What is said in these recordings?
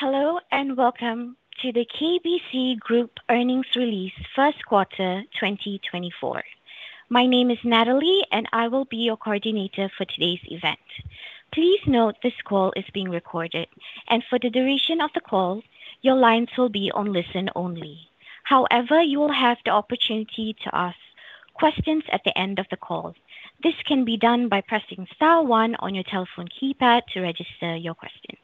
Hello and welcome to the KBC Group earnings release first quarter 2024. My name is Natalie, and I will be your coordinator for today's event. Please note this call is being recorded, and for the duration of the call, your lines will be on listen only. However, you will have the opportunity to ask questions at the end of the call. This can be done by pressing star 1 on your telephone keypad to register your questions.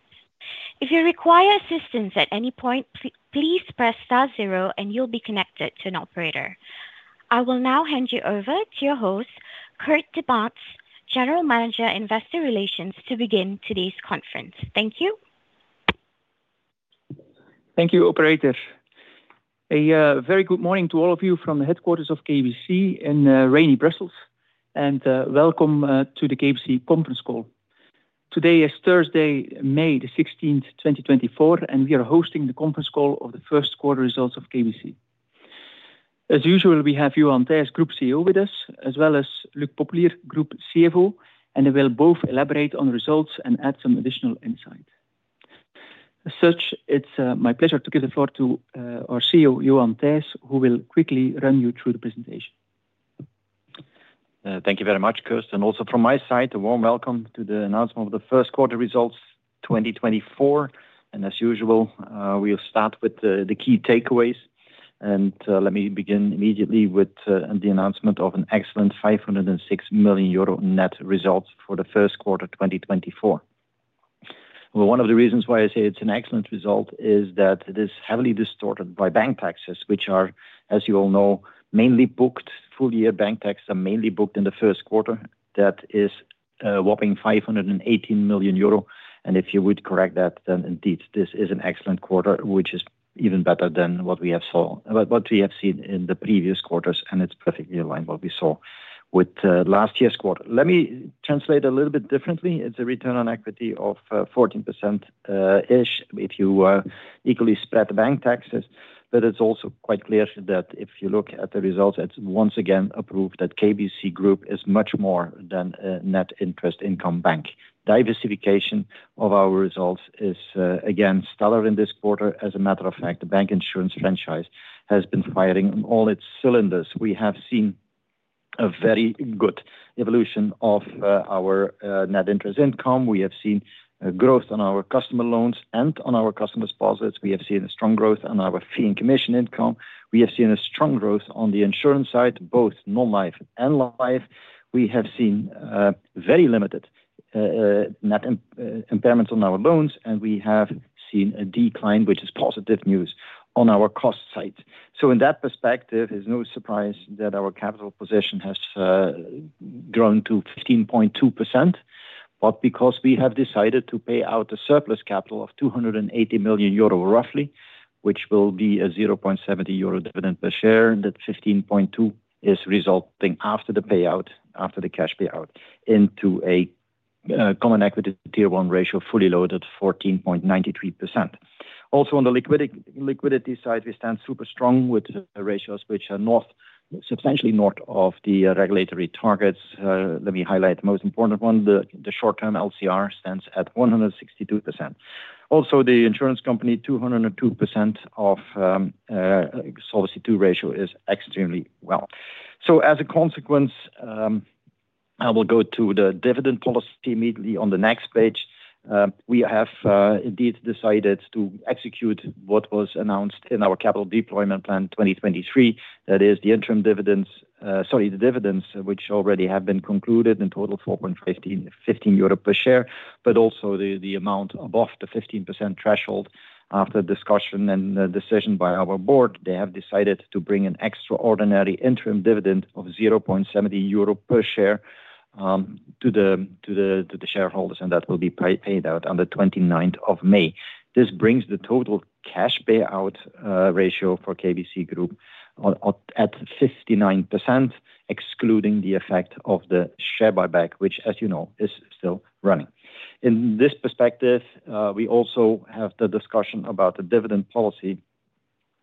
If you require assistance at any point, please press star 0 and you'll be connected to an operator. I will now hand you over to your host, Kurt De Baenst, General Manager Investor Relations, to begin today's conference. Thank you. Thank you, operator. A very good morning to all of you from the headquarters of KBC in rainy Brussels, and welcome to the KBC conference call. Today is Thursday, May the 16th, 2024, and we are hosting the conference call of the first quarter results of KBC. As usual, we have Johan Thijs, Group CEO, with us, as well as Luc Popelier, Group CFO, and they will both elaborate on the results and add some additional insight. As such, it's my pleasure to give the floor to our CEO, Johan Thijs, who will quickly run you through the presentation. Thank you very much, Kurt. Also from my side, a warm welcome to the announcement of the first quarter results 2024. As usual, we'll start with the key takeaways, and let me begin immediately with the announcement of an excellent 506 million euro net results for the first quarter 2024. Well, one of the reasons why I say it's an excellent result is that it is heavily distorted by bank taxes, which are, as you all know, mainly booked full-year bank taxes are mainly booked in the first quarter. That is a whopping 518 million euro. And if you would correct that, then indeed, this is an excellent quarter, which is even better than what we have saw what we have seen in the previous quarters, and it's perfectly aligned what we saw with last year's quarter. Let me translate a little bit differently. It's a return on equity of 14%-ish if you equally spread the bank taxes, but it's also quite clear that if you look at the results, it's once again proved that KBC Group is much more than a net interest income bank. Diversification of our results is, again, stellar in this quarter. As a matter of fact, the bank insurance franchise has been firing on all its cylinders. We have seen a very good evolution of our net interest income. We have seen growth on our customer loans and on our customer deposits. We have seen a strong growth on our fee and commission income. We have seen a strong growth on the insurance side, both non-life and life. We have seen very limited net impairments on our loans, and we have seen a decline, which is positive news, on our cost side. So in that perspective, it's no surprise that our capital position has grown to 15.2%. But because we have decided to pay out a surplus capital of 280 million euro, roughly, which will be a 0.70 euro dividend per share, that 15.2 is resulting after the payout, after the cash payout, into a Common Equity Tier 1 ratio fully loaded 14.93%. Also on the liquidity side, we stand super strong with ratios which are substantially north of the regulatory targets. Let me highlight the most important one. The short-term LCR stands at 162%. Also, the insurance company, 202% Solvency II ratio is extremely well. So as a consequence, I will go to the dividend policy immediately on the next page. We have indeed decided to execute what was announced in our capital deployment plan 2023. That is the interim dividends—sorry—the dividends which already have been concluded, in total 4.15 euro per share, but also the amount above the 15% threshold. After discussion and decision by our board, they have decided to bring an extraordinary interim dividend of 0.70 euro per share to the shareholders, and that will be paid out on the 29th of May. This brings the total cash payout ratio for KBC Group at 59%, excluding the effect of the share buyback, which, as you know, is still running. In this perspective, we also have the discussion about the dividend policy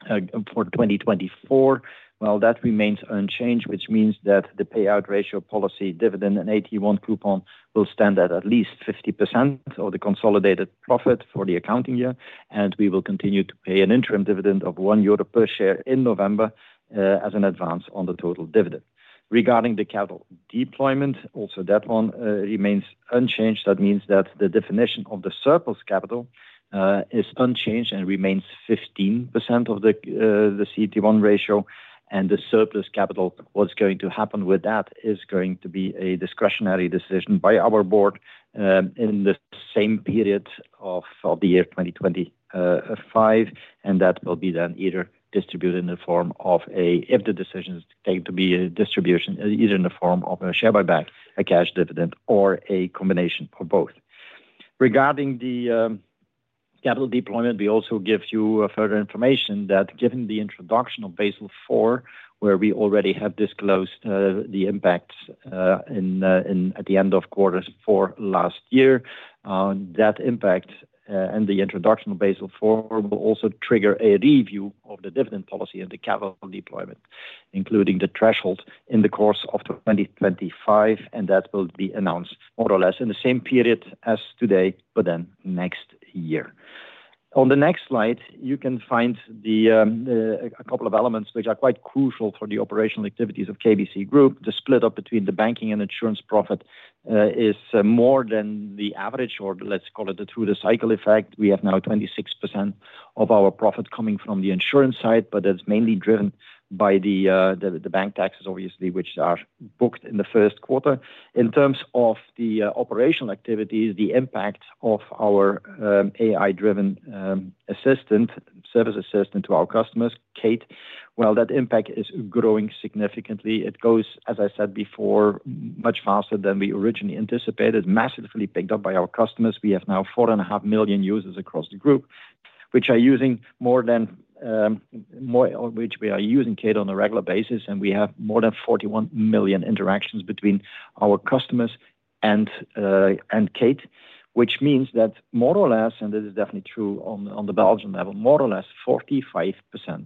for 2024. Well, that remains unchanged, which means that the payout ratio policy, dividend and AT1 coupon will stand at at least 50% of the consolidated profit for the accounting year, and we will continue to pay an interim dividend of 1 euro per share in November as an advance on the total dividend. Regarding the capital deployment, also that one remains unchanged. That means that the definition of the surplus capital is unchanged and remains 15% of the CET1 ratio. And the surplus capital, what's going to happen with that is going to be a discretionary decision by our board in the same period of the year 2025, and that will be then either distributed in the form of a if the decision is taken to be a distribution, either in the form of a share buyback, a cash dividend, or a combination of both. Regarding the capital deployment, we also give you further information that given the introduction of Basel IV, where we already have disclosed the impacts at the end of Q4 last year, that impact and the introduction of Basel IV will also trigger a review of the dividend policy and the capital deployment, including the threshold in the course of 2025, and that will be announced more or less in the same period as today, but then next year. On the next slide, you can find a couple of elements which are quite crucial for the operational activities of KBC Group. The split up between the banking and insurance profit is more than the average, or let's call it the through-the-cycle effect. We have now 26% of our profit coming from the insurance side, but it's mainly driven by the bank taxes, obviously, which are booked in the first quarter. In terms of the operational activities, the impact of our AI-driven assistant, service assistant to our customers, Kate, well, that impact is growing significantly. It goes, as I said before, much faster than we originally anticipated, massively picked up by our customers. We have now 4.5 million users across the group, which are using more than which we are using Kate on a regular basis, and we have more than 41 million interactions between our customers and Kate, which means that more or less and this is definitely true on the Belgian level, more or less 45%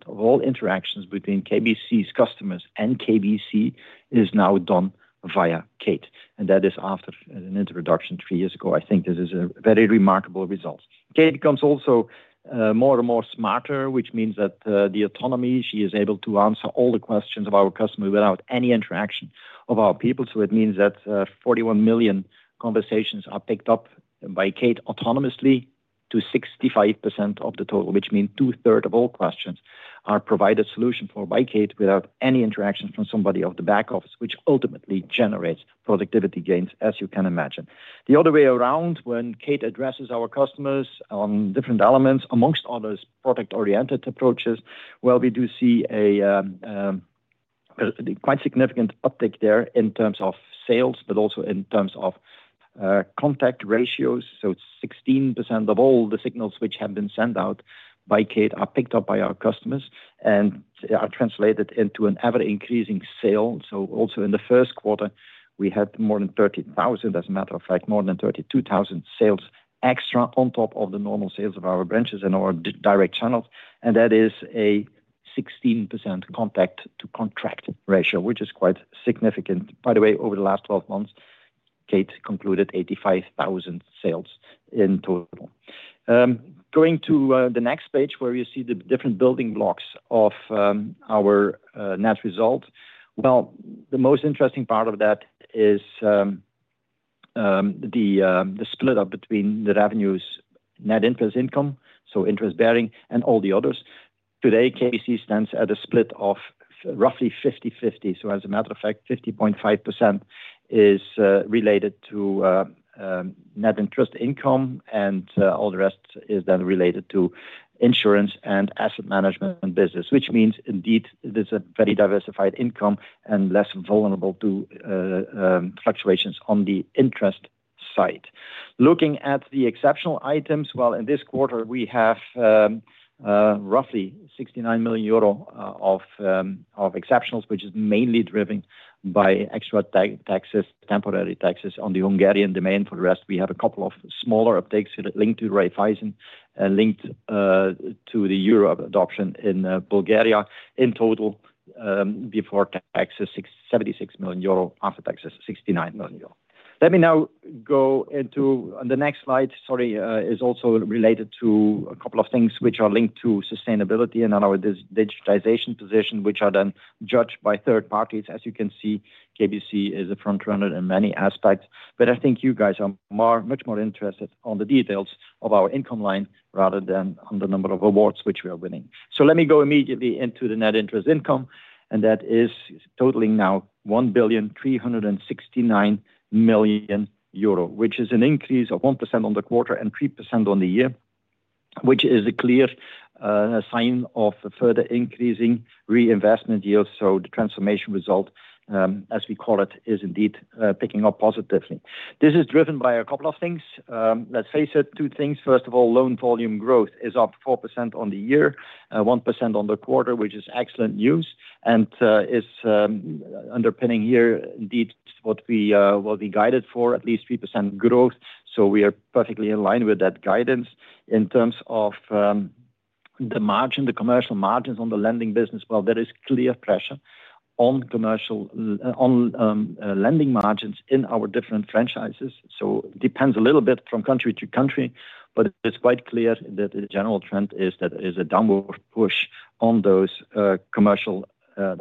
of all interactions between KBC's customers and KBC is now done via Kate. That is after an introduction three years ago. I think this is a very remarkable result. Kate becomes also more and more smarter, which means that the autonomy she is able to answer all the questions of our customer without any interaction of our people. So it means that 41 million conversations are picked up by Kate autonomously to 65% of the total, which means two-thirds of all questions are provided solution for by Kate without any interaction from somebody of the back office, which ultimately generates productivity gains, as you can imagine. The other way around, when Kate addresses our customers on different elements, amongst others, product-oriented approaches, well, we do see a quite significant uptick there in terms of sales, but also in terms of contact ratios. So 16% of all the signals which have been sent out by Kate are picked up by our customers and are translated into an ever-increasing sale. So also in the first quarter, we had more than 30,000, as a matter of fact, more than 32,000 sales extra on top of the normal sales of our branches and our direct channels. That is a 16% contact-to-contract ratio, which is quite significant. By the way, over the last 12 months, Kate concluded 85,000 sales in total. Going to the next page, where you see the different building blocks of our net result, well, the most interesting part of that is the split up between the revenues, net interest income, so interest bearing, and all the others. Today, KBC stands at a split of roughly 50/50. So as a matter of fact, 50.5% is related to net interest income, and all the rest is then related to insurance and asset management and business, which means indeed it is a very diversified income and less vulnerable to fluctuations on the interest side. Looking at the exceptional items, well, in this quarter, we have roughly 69 million euro of exceptionals, which is mainly driven by extra taxes, temporary taxes on the Hungarian domain. For the rest, we have a couple of smaller upticks linked to Raiffeisen and linked to the Euro adoption in Bulgaria. In total before taxes, 76 million euro; after taxes, 69 million euro. Let me now go into on the next slide. Sorry, is also related to a couple of things which are linked to sustainability and on our digitization position, which are then judged by third parties. As you can see, KBC is a frontrunner in many aspects, but I think you guys are much more interested in the details of our income line rather than on the number of awards which we are winning. So let me go immediately into the net interest income, and that is totaling now 1.369 billion, which is an increase of 1% on the quarter and 3% on the year, which is a clear sign of further increasing reinvestment yield. So the transformation result, as we call it, is indeed picking up positively. This is driven by a couple of things. Let's face it, two things. First of all, loan volume growth is up 4% on the year, 1% on the quarter, which is excellent news and is underpinning here indeed what we were guided for, at least 3% growth. We are perfectly in line with that guidance in terms of the margin, the commercial margins on the lending business. Well, there is clear pressure on commercial on lending margins in our different franchises. It depends a little bit from country to country, but it's quite clear that the general trend is that there is a downward push on those commercial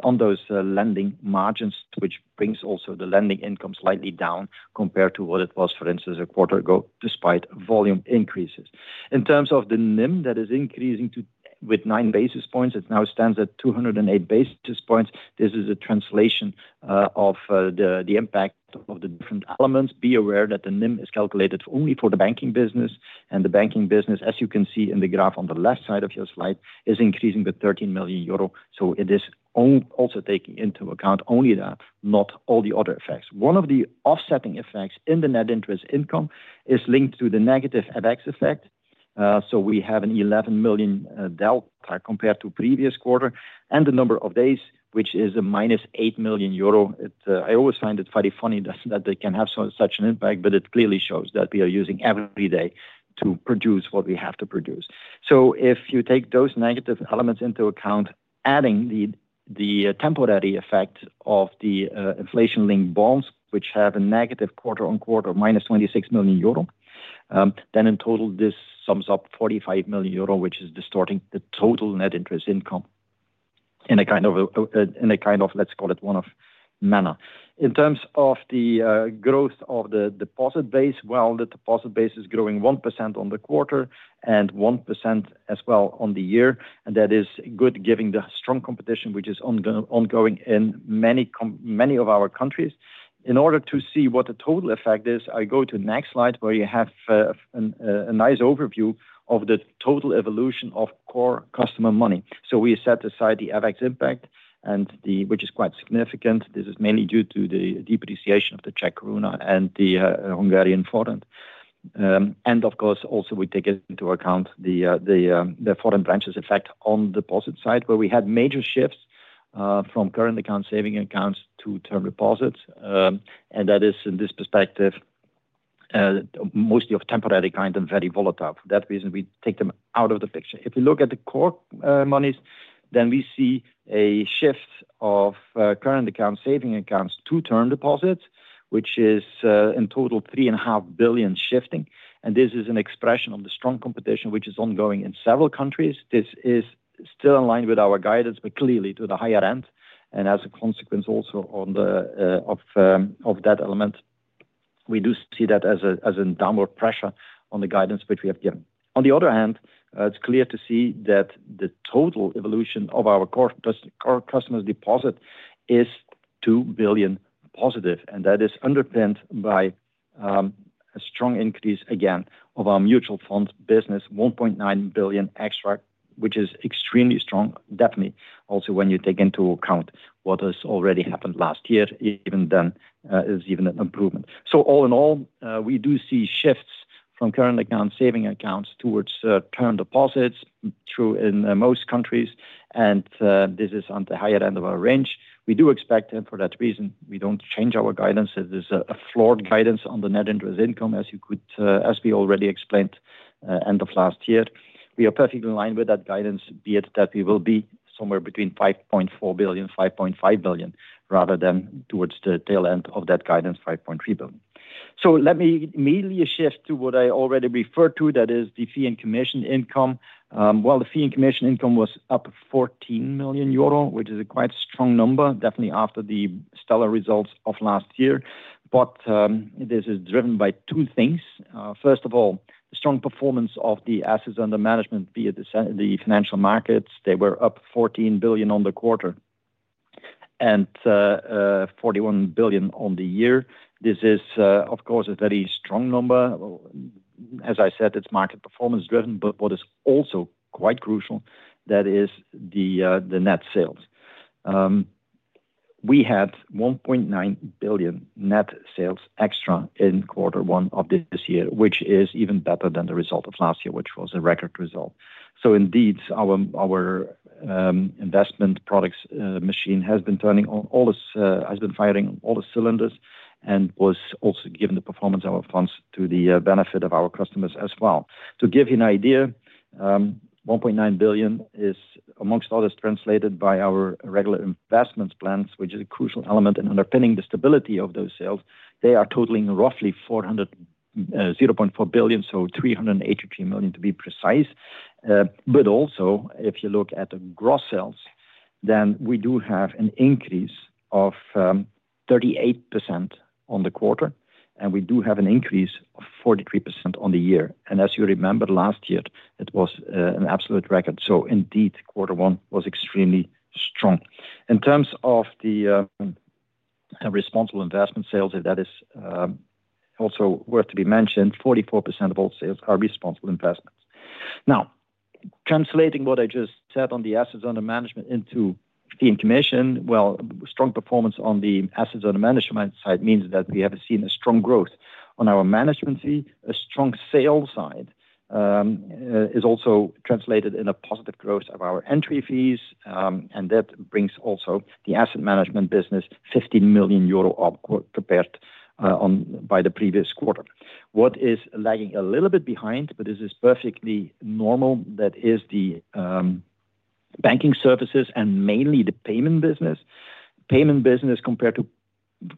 on those lending margins, which brings also the lending income slightly down compared to what it was, for instance, a quarter ago, despite volume increases. In terms of the NIM, that is increasing with nine basis points. It now stands at 208 basis points. This is a translation of the impact of the different elements. Be aware that the NIM is calculated only for the banking business, and the banking business, as you can see in the graph on the left side of your slide, is increasing with 13 million euro. So it is also taking into account only that, not all the other effects. One of the offsetting effects in the net interest income is linked to the negative FX effect. So we have an 11 million delta compared to previous quarter and the number of days, which is a minus 8 million euro. I always find it very funny that they can have such an impact, but it clearly shows that we are using every day to produce what we have to produce. So if you take those negative elements into account, adding the temporary effect of the inflation-linked bonds, which have a negative quarter-on-quarter minus 26 million euro, then in total, this sums up 45 million euro, which is distorting the total net interest income in a kind of, let's call it, one-off manner. In terms of the growth of the deposit base, well, the deposit base is growing 1% on the quarter and 1% as well on the year. That is good, given the strong competition which is ongoing in many of our countries. In order to see what the total effect is, I go to the next slide, where you have a nice overview of the total evolution of core customer money. We set aside the FX impact, which is quite significant. This is mainly due to the depreciation of the Czech koruna and the Hungarian forint. Of course, also, we take into account the foreign branches effect on the deposit side, where we had major shifts from current account saving accounts to term deposits. And that is, in this perspective, mostly of temporary kind and very volatile. For that reason, we take them out of the picture. If you look at the core monies, then we see a shift of current account saving accounts to term deposits, which is in total 3.5 billion shifting. And this is an expression of the strong competition which is ongoing in several countries. This is still in line with our guidance, but clearly to the higher end. As a consequence, also on the of that element, we do see that as a downward pressure on the guidance which we have given. On the other hand, it's clear to see that the total evolution of our core customers' deposit is 2 billion positive, and that is underpinned by a strong increase, again, of our mutual funds business, 1.9 billion extra, which is extremely strong, definitely. Also, when you take into account what has already happened last year, even then is even an improvement. So all in all, we do see shifts from current account saving accounts towards term deposits in most countries, and this is on the higher end of our range. We do expect, and for that reason, we don't change our guidance. It is a flawed guidance on the net interest income, as you could as we already explained end of last year. We are perfectly in line with that guidance, be it that we will be somewhere between 5.4 billion, 5.5 billion, rather than towards the tail end of that guidance, 5.3 billion. So let me immediately shift to what I already referred to. That is the fee and commission income. Well, the fee and commission income was up 14 million euro, which is a quite strong number, definitely after the stellar results of last year. But this is driven by two things. First of all, the strong performance of the assets under management via the financial markets. They were up 14 billion on the quarter and 41 billion on the year. This is, of course, a very strong number. As I said, it's market performance-driven, but what is also quite crucial, that is the net sales. We had 1.9 billion net sales extra in quarter one of this year, which is even better than the result of last year, which was a record result. So indeed, our investment products machine has been firing on all cylinders and was also giving the performance of our funds to the benefit of our customers as well. To give you an idea, 1.9 billion is, among others, translated by our regular investment plans, which is a crucial element in underpinning the stability of those sales. They are totaling roughly 0.4 billion, so 383 million to be precise. But also, if you look at the gross sales, then we do have an increase of 38% on the quarter, and we do have an increase of 43% on the year. As you remember, last year, it was an absolute record. So indeed, quarter one was extremely strong. In terms of the responsible investment sales, if that is also worth to be mentioned, 44% of all sales are responsible investments. Now, translating what I just said on the assets under management into fee and commission, well, strong performance on the assets under management side means that we have seen a strong growth on our management fee. A strong sales side is also translated in a positive growth of our entry fees, and that brings also the asset management business 15 million euro up compared by the previous quarter. What is lagging a little bit behind, but this is perfectly normal, that is the banking services and mainly the payment business. Payment business compared to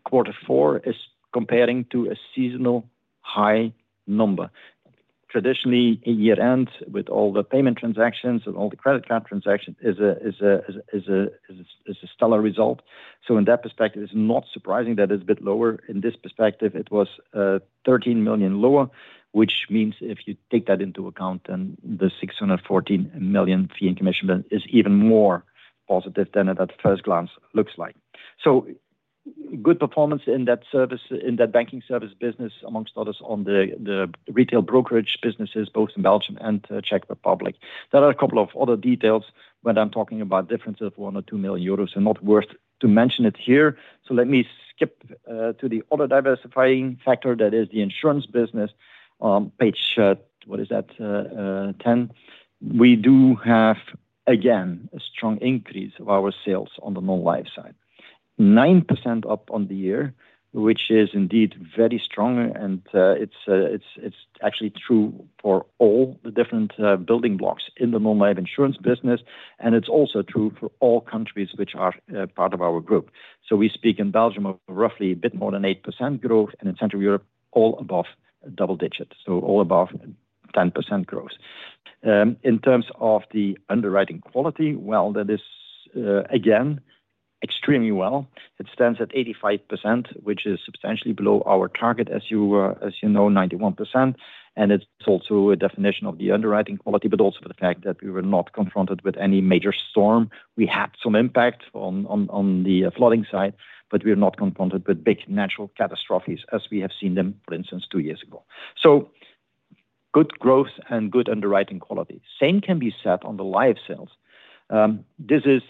quarter four is comparing to a seasonal high number. Traditionally, a year-end with all the payment transactions and all the credit card transactions is a stellar result. So in that perspective, it's not surprising that it's a bit lower. In this perspective, it was 13 million lower, which means if you take that into account, then the 614 million fee and commission is even more positive than it at first glance looks like. So good performance in that service in that banking service business, amongst others, on the retail brokerage businesses, both in Belgium and Czech Republic. There are a couple of other details when I'm talking about differences of one or two million euros. They're not worth to mention it here. So let me skip to the other diversifying factor. That is the insurance business on page what is that? 10. We do have, again, a strong increase of our sales on the non-life side, 9% up on the year, which is indeed very strong. It's actually true for all the different building blocks in the non-life insurance business. It's also true for all countries which are part of our group. So we speak in Belgium of roughly a bit more than 8% growth, and in Central Europe, all above double digit, so all above 10% growth. In terms of the underwriting quality, well, that is, again, extremely well. It stands at 85%, which is substantially below our target, as you know, 91%. And it's also a definition of the underwriting quality, but also the fact that we were not confronted with any major storm. We had some impact on the flooding side, but we were not confronted with big natural catastrophes as we have seen them, for instance, two years ago. So good growth and good underwriting quality. Same can be said on the life sales. This is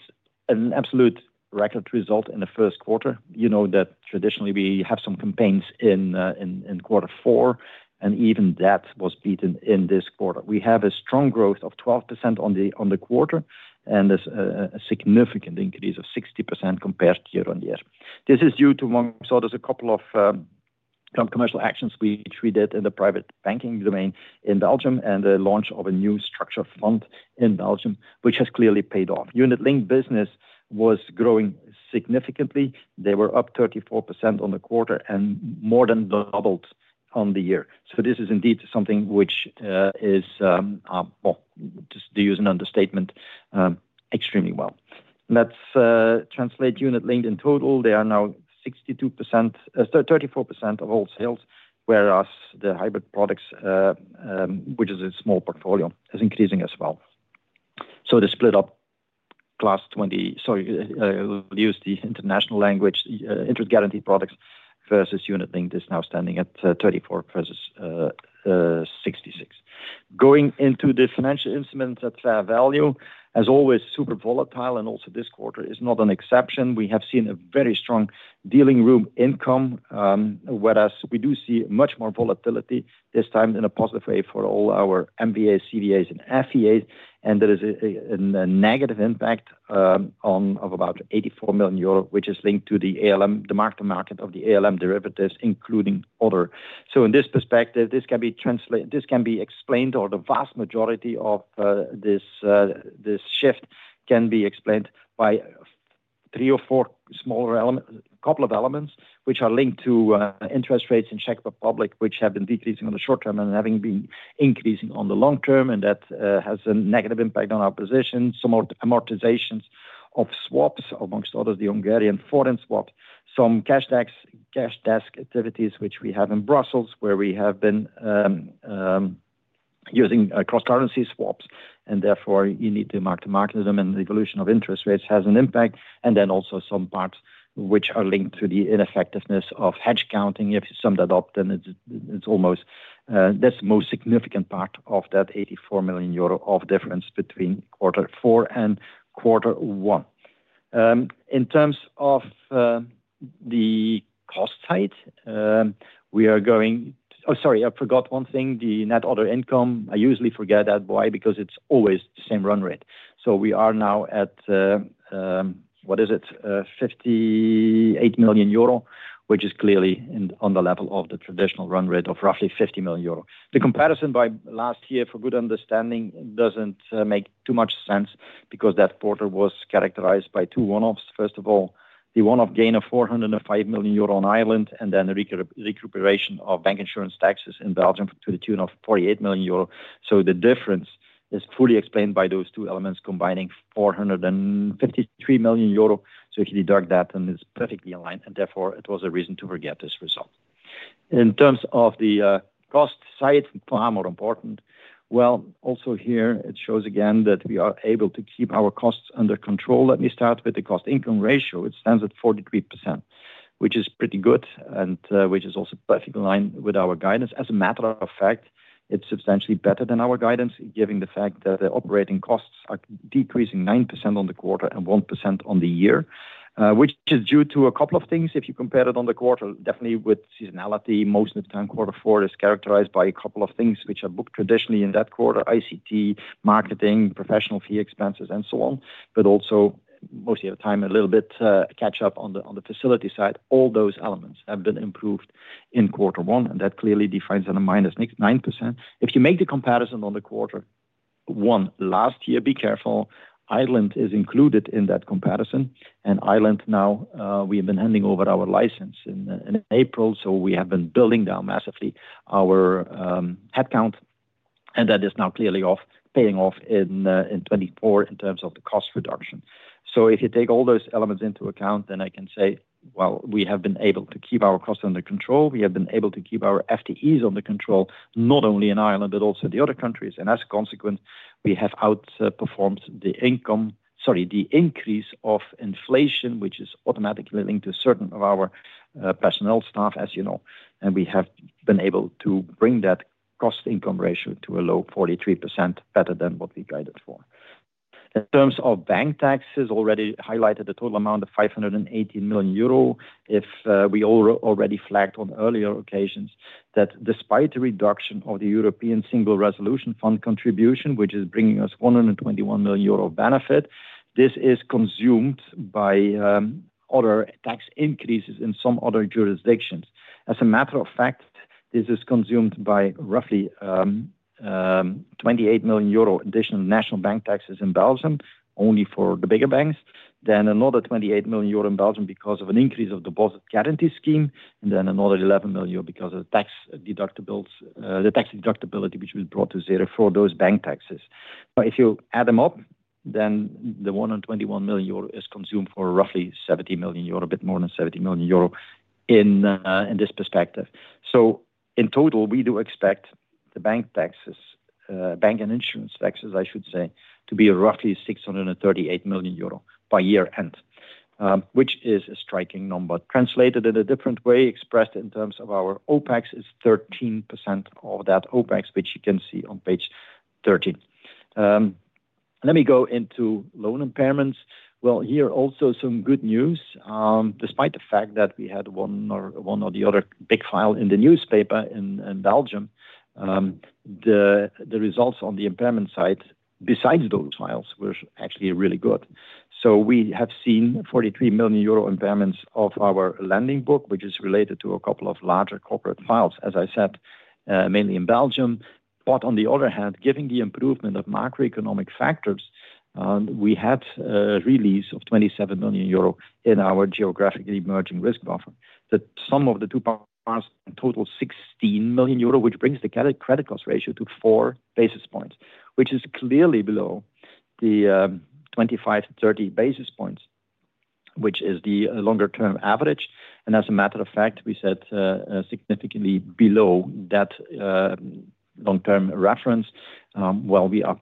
an absolute record result in the first quarter. You know that traditionally, we have some campaigns in quarter four, and even that was beaten in this quarter. We have a strong growth of 12% on the quarter and a significant increase of 60% compared year-on-year. This is due to, among others, a couple of commercial actions which we did in the private banking domain in Belgium and the launch of a new structured fund in Belgium, which has clearly paid off. Unit-linked business was growing significantly. They were up 34% on the quarter and more than doubled on the year. So this is indeed something which is, well, just to use an understatement, extremely well. Let's translate unit-linked in total. They are now 62% 34% of all sales, whereas the hybrid products, which is a small portfolio, is increasing as well. So the split up class 20 sorry, I'll use the international language, interest guaranteed products versus unit-linked is now standing at 34 versus 66. Going into the financial instruments at fair value, as always, super volatile, and also this quarter is not an exception. We have seen a very strong dealing room income, whereas we do see much more volatility this time in a positive way for all our MVAs, CVAs, and FVAs. And there is a negative impact on about 84 million euro, which is linked to the ALM, the market of the ALM derivatives, including other. So in this perspective, this can be translated; this can be explained, or the vast majority of this shift can be explained by three or four smaller elements, a couple of elements, which are linked to interest rates in Czech Republic, which have been decreasing on the short term and having been increasing on the long term. And that has a negative impact on our position, some amortizations of swaps, among others, the Hungarian forint swap, some cash desk activities, which we have in Brussels, where we have been using cross-currency swaps. And therefore, you need to mark to market them, and the evolution of interest rates has an impact. And then also some parts which are linked to the ineffectiveness of hedge accounting. If some that opt, then it's almost that's the most significant part of that 84 million euro of difference between quarter four and quarter one. In terms of the cost side, we are going oh, sorry, I forgot one thing, the net other income. I usually forget that, why? Because it's always the same run rate. So we are now at what is it? 58 million euro, which is clearly on the level of the traditional run rate of roughly 50 million euro. The comparison by last year, for good understanding, doesn't make too much sense because that quarter was characterized by two one-offs. First of all, the one-off gain of 405 million euro on Ireland, and then the recuperation of bank insurance taxes in Belgium to the tune of 48 million euro. So the difference is fully explained by those two elements combining 453 million euro. So if you deduct that, then it's perfectly in line, and therefore, it was a reason to forget this result. In terms of the cost side, far more important, well, also here, it shows again that we are able to keep our costs under control. Let me start with the cost-income ratio. It stands at 43%, which is pretty good and which is also perfectly in line with our guidance. As a matter of fact, it's substantially better than our guidance, given the fact that the operating costs are decreasing 9% on the quarter and 1% on the year, which is due to a couple of things. If you compare it on the quarter, definitely with seasonality, most of the time, quarter four is characterized by a couple of things which are booked traditionally in that quarter: ICT, marketing, professional fee expenses, and so on. But also most of the time, a little bit catch-up on the facility side. All those elements have been improved in quarter one, and that clearly defines at a -9%. If you make the comparison on the quarter one last year, be careful. Ireland is included in that comparison. And Ireland now, we have been handing over our license in April, so we have been building down massively our headcount. And that is now clearly paying off in 2024 in terms of the cost reduction. So if you take all those elements into account, then I can say, well, we have been able to keep our costs under control. We have been able to keep our FTEs under control, not only in Ireland, but also the other countries. And as a consequence, we have outperformed the income sorry, the increase of inflation, which is automatically linked to certain of our personnel staff, as you know. And we have been able to bring that cost-income ratio to a low 43%, better than what we guided for. In terms of bank taxes, already highlighted the total amount of 518 million euro. If we all already flagged on earlier occasions that despite the reduction of the European Single Resolution Fund contribution, which is bringing us 121 million euro benefit, this is consumed by other tax increases in some other jurisdictions. As a matter of fact, this is consumed by roughly 28 million euro additional national bank taxes in Belgium, only for the bigger banks, then another 28 million euro in Belgium because of an increase of deposit guarantee scheme, and then another 11 million euro because of the tax deductibility, which was brought to zero for those bank taxes. Now, if you add them up, then the 121 million euro is consumed for roughly 70 million euro, a bit more than 70 million euro in this perspective. So in total, we do expect the bank taxes bank and insurance taxes, I should say, to be roughly 638 million euro by year-end, which is a striking number. Translated in a different way, expressed in terms of our OPEX, is 13% of that OPEX, which you can see on page 13. Let me go into loan impairments. Well, here also some good news. Despite the fact that we had one or the other big file in the newspaper in Belgium, the results on the impairment side, besides those files, were actually really good. So we have seen 43 million euro impairments of our lending book, which is related to a couple of larger corporate files, as I said, mainly in Belgium. But on the other hand, given the improvement of macroeconomic factors, we had a release of 27 million euro in our geographically emerging risk buffer, that some of the two parts total 16 million euro, which brings the credit cost ratio to 4 basis points, which is clearly below the 25-30 basis points, which is the longer-term average. And as a matter of fact, we said significantly below that long-term reference. Well, we are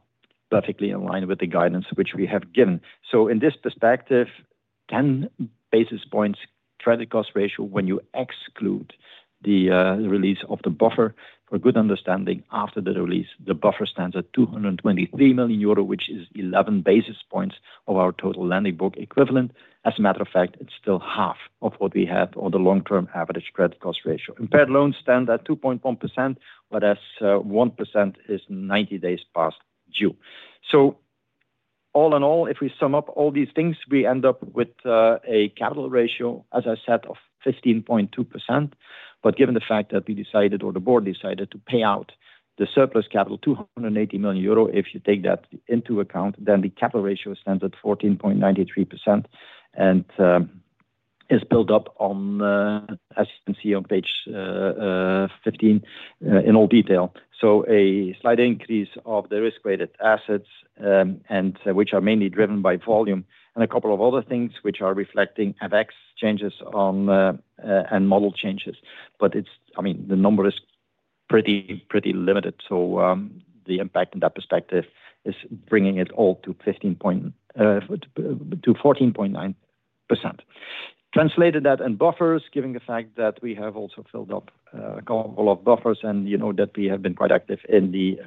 perfectly in line with the guidance which we have given. So in this perspective, 10 basis points credit cost ratio, when you exclude the release of the buffer, for good understanding, after the release, the buffer stands at 223 million euro, which is 11 basis points of our total lending book equivalent. As a matter of fact, it's still half of what we have or the long-term average credit cost ratio. Impaired loans stand at 2.1%, whereas 1% is 90 days past due. So all in all, if we sum up all these things, we end up with a capital ratio, as I said, of 15.2%. But given the fact that we decided or the board decided to pay out the surplus capital, 280 million euro, if you take that into account, then the capital ratio stands at 14.93% and is built up on, as you can see on page 15, in all detail. So a slight increase of the risk-weighted assets, which are mainly driven by volume, and a couple of other things which are reflecting FX changes and model changes. But I mean, the number is pretty limited. So the impact in that perspective is bringing it all to 14.9%. That translates into buffers, given the fact that we have also filled up a couple of buffers and you know that we have been quite active in the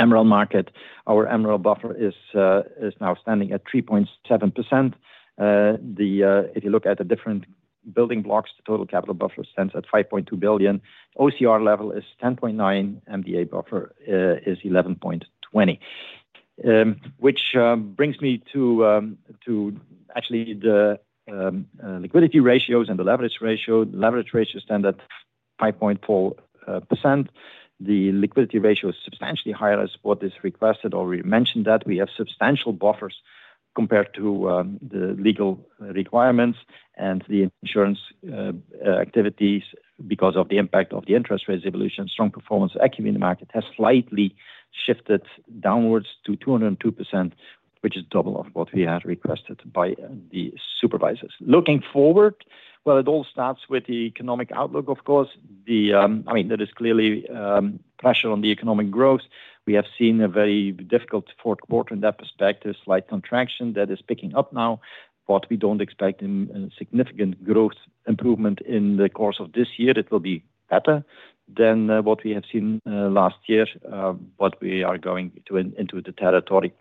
MREL market, our MREL buffer is now standing at 3.7%. If you look at the different building blocks, the total capital buffer stands at 5.2 billion. OCR level is 10.9%. MREL buffer is 11.20%, which brings me to actually the liquidity ratios and the leverage ratio. The leverage ratios stand at 5.4%. The liquidity ratio is substantially higher as what is requested. Already mentioned that we have substantial buffers compared to the legal requirements and the insurance activities because of the impact of the interest rate evolution. Strong performance equity in the market has slightly shifted downwards to 202%, which is double of what we had requested by the supervisors. Looking forward, well, it all starts with the economic outlook, of course. I mean, there is clearly pressure on the economic growth. We have seen a very difficult fourth quarter in that perspective, slight contraction that is picking up now. But we don't expect significant growth improvement in the course of this year. It will be better than what we have seen last year. But we are going into the territory,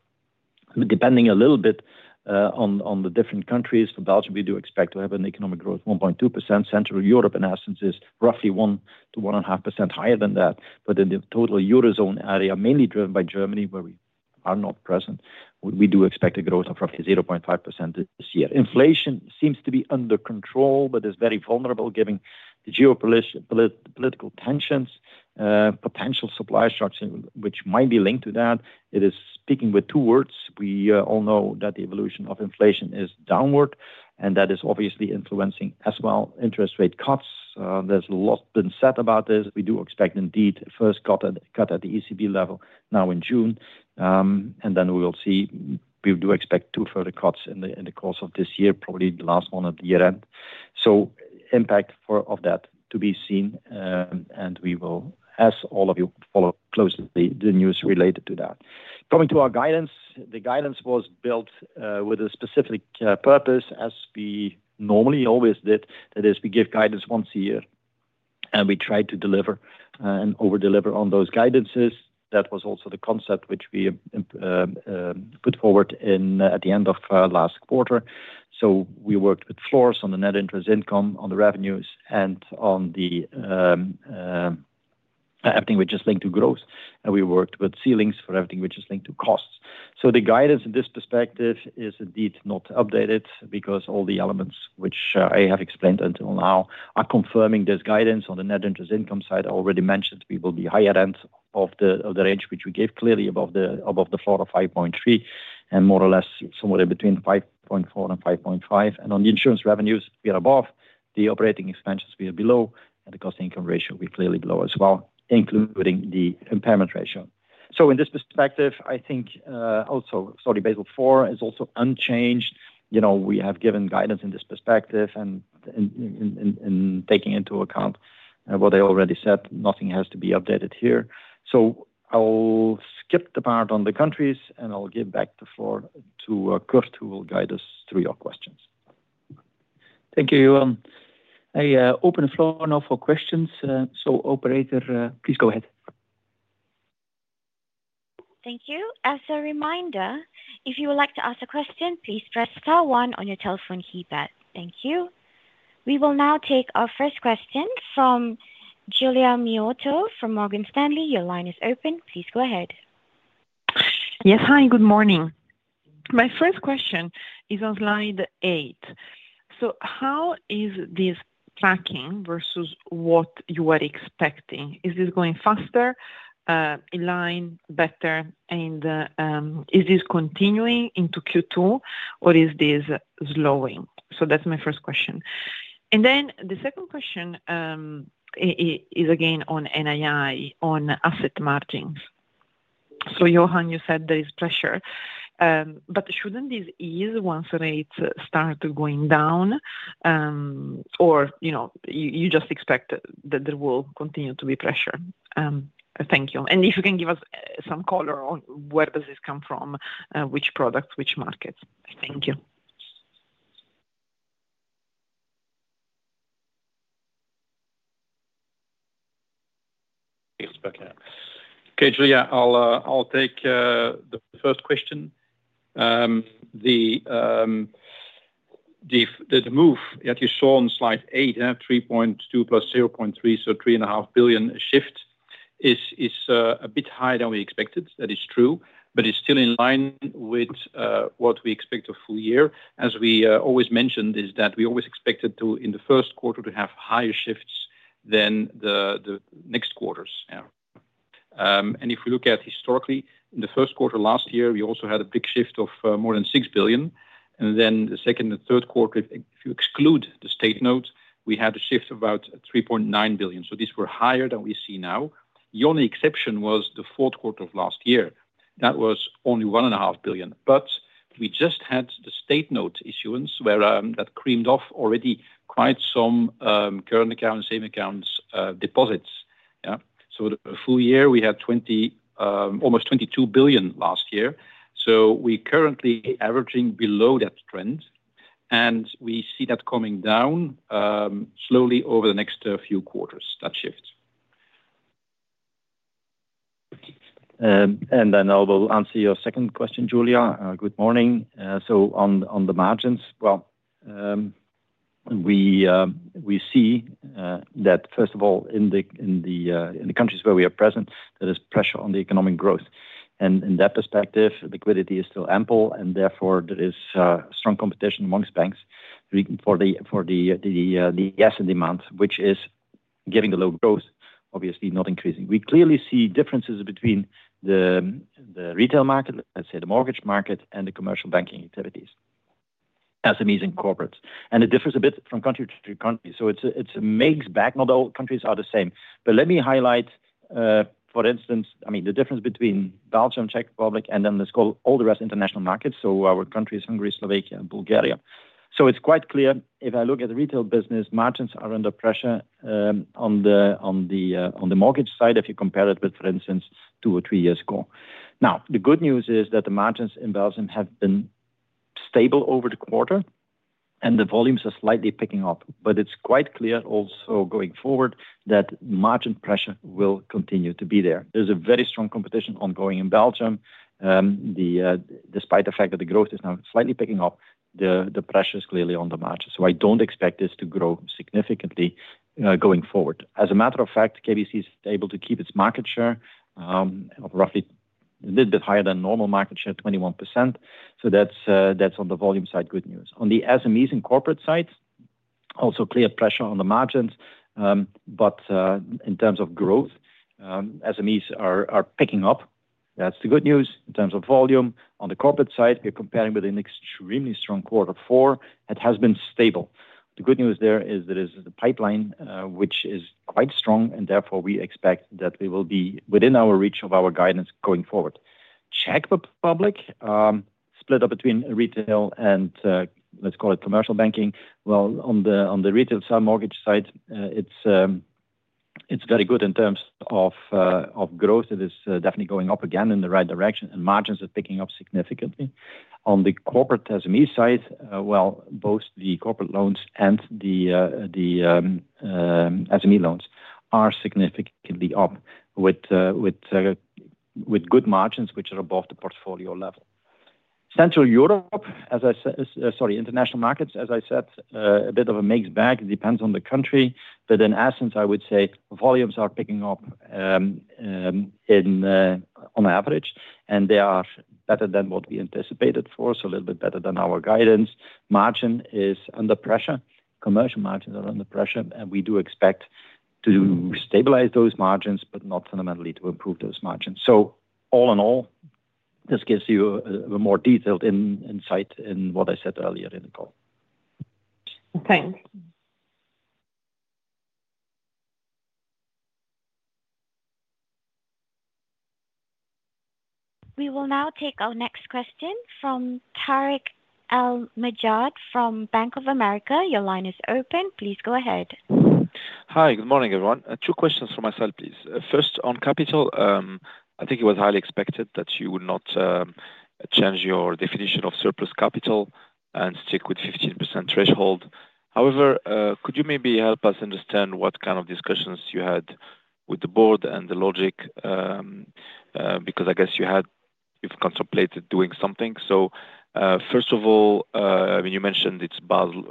depending a little bit on the different countries. For Belgium, we do expect to have an economic growth of 1.2%. Central Europe, in essence, is roughly 1%-1.5% higher than that. But in the total eurozone area, mainly driven by Germany, where we are not present, we do expect a growth of roughly 0.5% this year. Inflation seems to be under control, but is very vulnerable given the geopolitical tensions, potential supply structure, which might be linked to that. It is speaking with two words. We all know that the evolution of inflation is downward, and that is obviously influencing as well interest rate cuts. There's a lot been said about this. We do expect indeed first cut at the ECB level now in June. Then we will see we do expect two further cuts in the course of this year, probably the last one at the year-end. Impact of that to be seen. We will, as all of you, follow closely the news related to that. Coming to our guidance, the guidance was built with a specific purpose, as we normally always did. That is, we give guidance once a year, and we try to deliver and overdeliver on those guidances. That was also the concept which we put forward at the end of last quarter. So we worked with floors on the net interest income, on the revenues, and on everything which is linked to growth. And we worked with ceilings for everything which is linked to costs. So the guidance in this perspective is indeed not updated because all the elements which I have explained until now are confirming this guidance on the net interest income side. I already mentioned we will be higher end of the range which we gave, clearly above the floor of 5.3 and more or less somewhere in between 5.4 and 5.5. And on the insurance revenues, we are above. The operating expenses, we are below. And the cost-income ratio, we're clearly below as well, including the impairment ratio. So in this perspective, I think also sorry, Basel IV is also unchanged. We have given guidance in this perspective and in taking into account what I already said, nothing has to be updated here. So I'll skip the part on the countries, and I'll give back the floor to Kurt, who will guide us through your questions. Thank you, Johan. I open the floor now for questions. So operator, please go ahead. Thank you. As a reminder, if you would like to ask a question, please press star one on your telephone keypad. Thank you. We will now take our first question from Giulia Miotto from Morgan Stanley. Your line is open. Please go ahead. Yes. Hi. Good morning. My first question is on slide eight. So how is this tracking versus what you were expecting? Is this going faster, in line, better? And is this continuing into Q2, or is this slowing? So that's my first question. Then the second question is again on NII, on asset margins. So Johan, you said there is pressure. But shouldn't this ease once rates start going down, or you just expect that there will continue to be pressure? Thank you. If you can give us some color on where does this come from, which products, which markets. Thank you. Yes. Back here. Okay, Julia, I'll take the first question. The move that you saw on slide 8, 3.2 + 0.3, so 3.5 billion shift, is a bit higher than we expected. That is true, but it's still in line with what we expect a full year. As we always mentioned, is that we always expected in the first quarter to have higher shifts than the next quarters. If we look at historically, in the first quarter last year, we also had a big shift of more than 6 billion. Then the second and third quarter, if you exclude the state note, we had a shift of about 3.9 billion. So these were higher than we see now. The only exception was the fourth quarter of last year. That was only 1.5 billion. But we just had the state note issuance where that creamed off already quite some current account and savings accounts deposits. So a full year, we had almost 22 billion last year. So we're currently averaging below that trend. And we see that coming down slowly over the next few quarters, that shift. Then I will answer your second question, Julia. Good morning. On the margins, well, we see that, first of all, in the countries where we are present, there is pressure on the economic growth. In that perspective, liquidity is still ample. Therefore, there is strong competition among banks for the asset demand, which is giving the low growth, obviously not increasing. We clearly see differences between the retail market, let's say the mortgage market, and the commercial banking activities, SMEs and corporates. It differs a bit from country to country. So it makes sense, not all countries are the same. Let me highlight, for instance, I mean, the difference between Belgium, Czech Republic, and then let's call all the rest international markets, so our countries, Hungary, Slovakia, and Bulgaria. So it's quite clear, if I look at the retail business, margins are under pressure on the mortgage side if you compare it with, for instance, two or three years ago. Now, the good news is that the margins in Belgium have been stable over the quarter, and the volumes are slightly picking up. But it's quite clear also going forward that margin pressure will continue to be there. There's a very strong competition ongoing in Belgium. Despite the fact that the growth is now slightly picking up, the pressure is clearly on the margins. So I don't expect this to grow significantly going forward. As a matter of fact, KBC is able to keep its market share of roughly a little bit higher than normal market share, 21%. So that's on the volume side, good news. On the SMEs and corporate side, also clear pressure on the margins. But in terms of growth, SMEs are picking up. That's the good news in terms of volume. On the corporate side, we're comparing with an extremely strong quarter four. It has been stable. The good news there is there is a pipeline, which is quite strong. And therefore, we expect that we will be within our reach of our guidance going forward. Czech Republic, split up between retail and let's call it commercial banking. Well, on the retail sub-mortgage side, it's very good in terms of growth. It is definitely going up again in the right direction, and margins are picking up significantly. On the corporate SME side, well, both the corporate loans and the SME loans are significantly up with good margins, which are above the portfolio level. Central Europe, sorry, international markets, as I said, a bit of a mixed bag. It depends on the country. In essence, I would say volumes are picking up on average. They are better than what we anticipated for, so a little bit better than our guidance. Margin is under pressure. Commercial margins are under pressure. We do expect to stabilize those margins, but not fundamentally to improve those margins. All in all, this gives you a more detailed insight in what I said earlier in the call. Thanks. We will now take our next question from Tarik El Mejjad from Bank of America. Your line is open. Please go ahead. Hi. Good morning, everyone. Two questions from myself, please. First, on capital, I think it was highly expected that you would not change your definition of surplus capital and stick with 15% threshold. However, could you maybe help us understand what kind of discussions you had with the board and the logic? Because I guess you've contemplated doing something. So first of all, I mean, you mentioned it's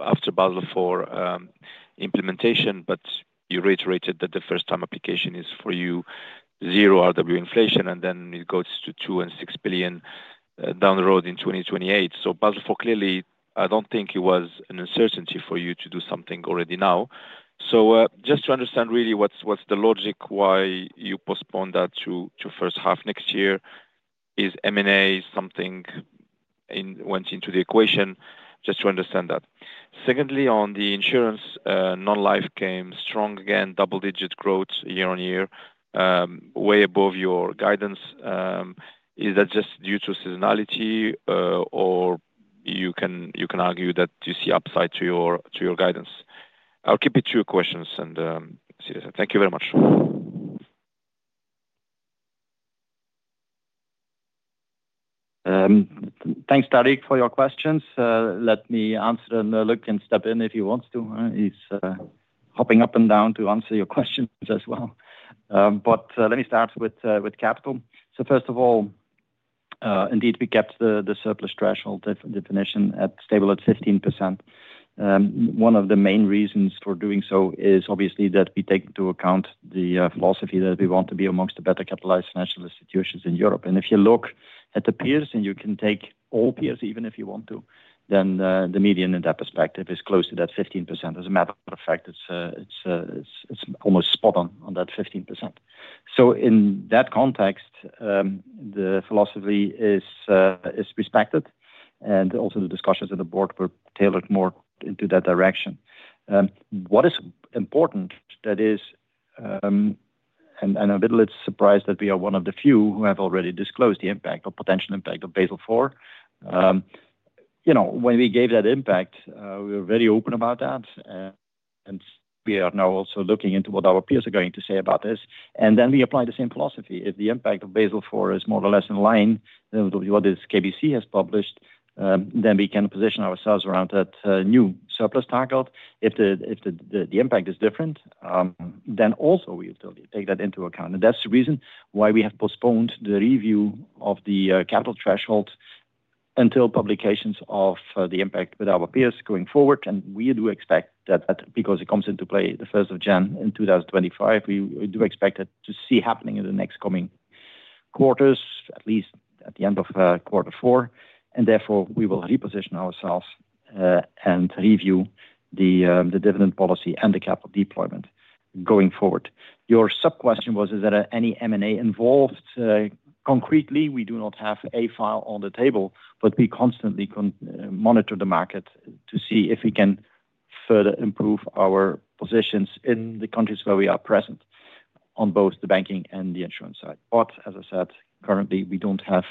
after Basel IV implementation, but you reiterated that the first-time application is for you zero RWA inflation, and then it goes to 2 billion and 6 billion down the road in 2028. So Basel IV, clearly, I don't think it was an uncertainty for you to do something already now. So just to understand really what's the logic why you postponed that to first half next year, is M&A something went into the equation? Just to understand that. Secondly, on the insurance, non-life came strong again, double-digit growth year-over-year, way above your guidance. Is that just due to seasonality, or you can argue that you see upside to your guidance? I'll keep it to your questions, and thank you very much. Thanks, Tariq, for your questions. Let me answer and look and step in if he wants to. He's hopping up and down to answer your questions as well. But let me start with capital. So first of all, indeed, we kept the surplus threshold definition at stable at 15%. One of the main reasons for doing so is obviously that we take into account the philosophy that we want to be among the better capitalized financial institutions in Europe. And if you look at the peers, and you can take all peers even if you want to, then the median in that perspective is close to that 15%. As a matter of fact, it's almost spot on that 15%. So in that context, the philosophy is respected. And also the discussions in the board were tailored more into that direction. What is important, that is, and a little bit surprised that we are one of the few who have already disclosed the impact or potential impact of Basel IV. When we gave that impact, we were very open about that. We are now also looking into what our peers are going to say about this. Then we apply the same philosophy. If the impact of Basel IV is more or less in line with what KBC has published, then we can position ourselves around that new surplus target. If the impact is different, then also we will take that into account. That's the reason why we have postponed the review of the capital threshold until publications of the impact with our peers going forward. We do expect that because it comes into play the 1st of January in 2025, we do expect it to see happening in the next coming quarters, at least at the end of quarter four. Therefore, we will reposition ourselves and review the dividend policy and the capital deployment going forward. Your sub-question was, is there any M&A involved? Concretely, we do not have a file on the table, but we constantly monitor the market to see if we can further improve our positions in the countries where we are present on both the banking and the insurance side. But as I said, currently, we don't have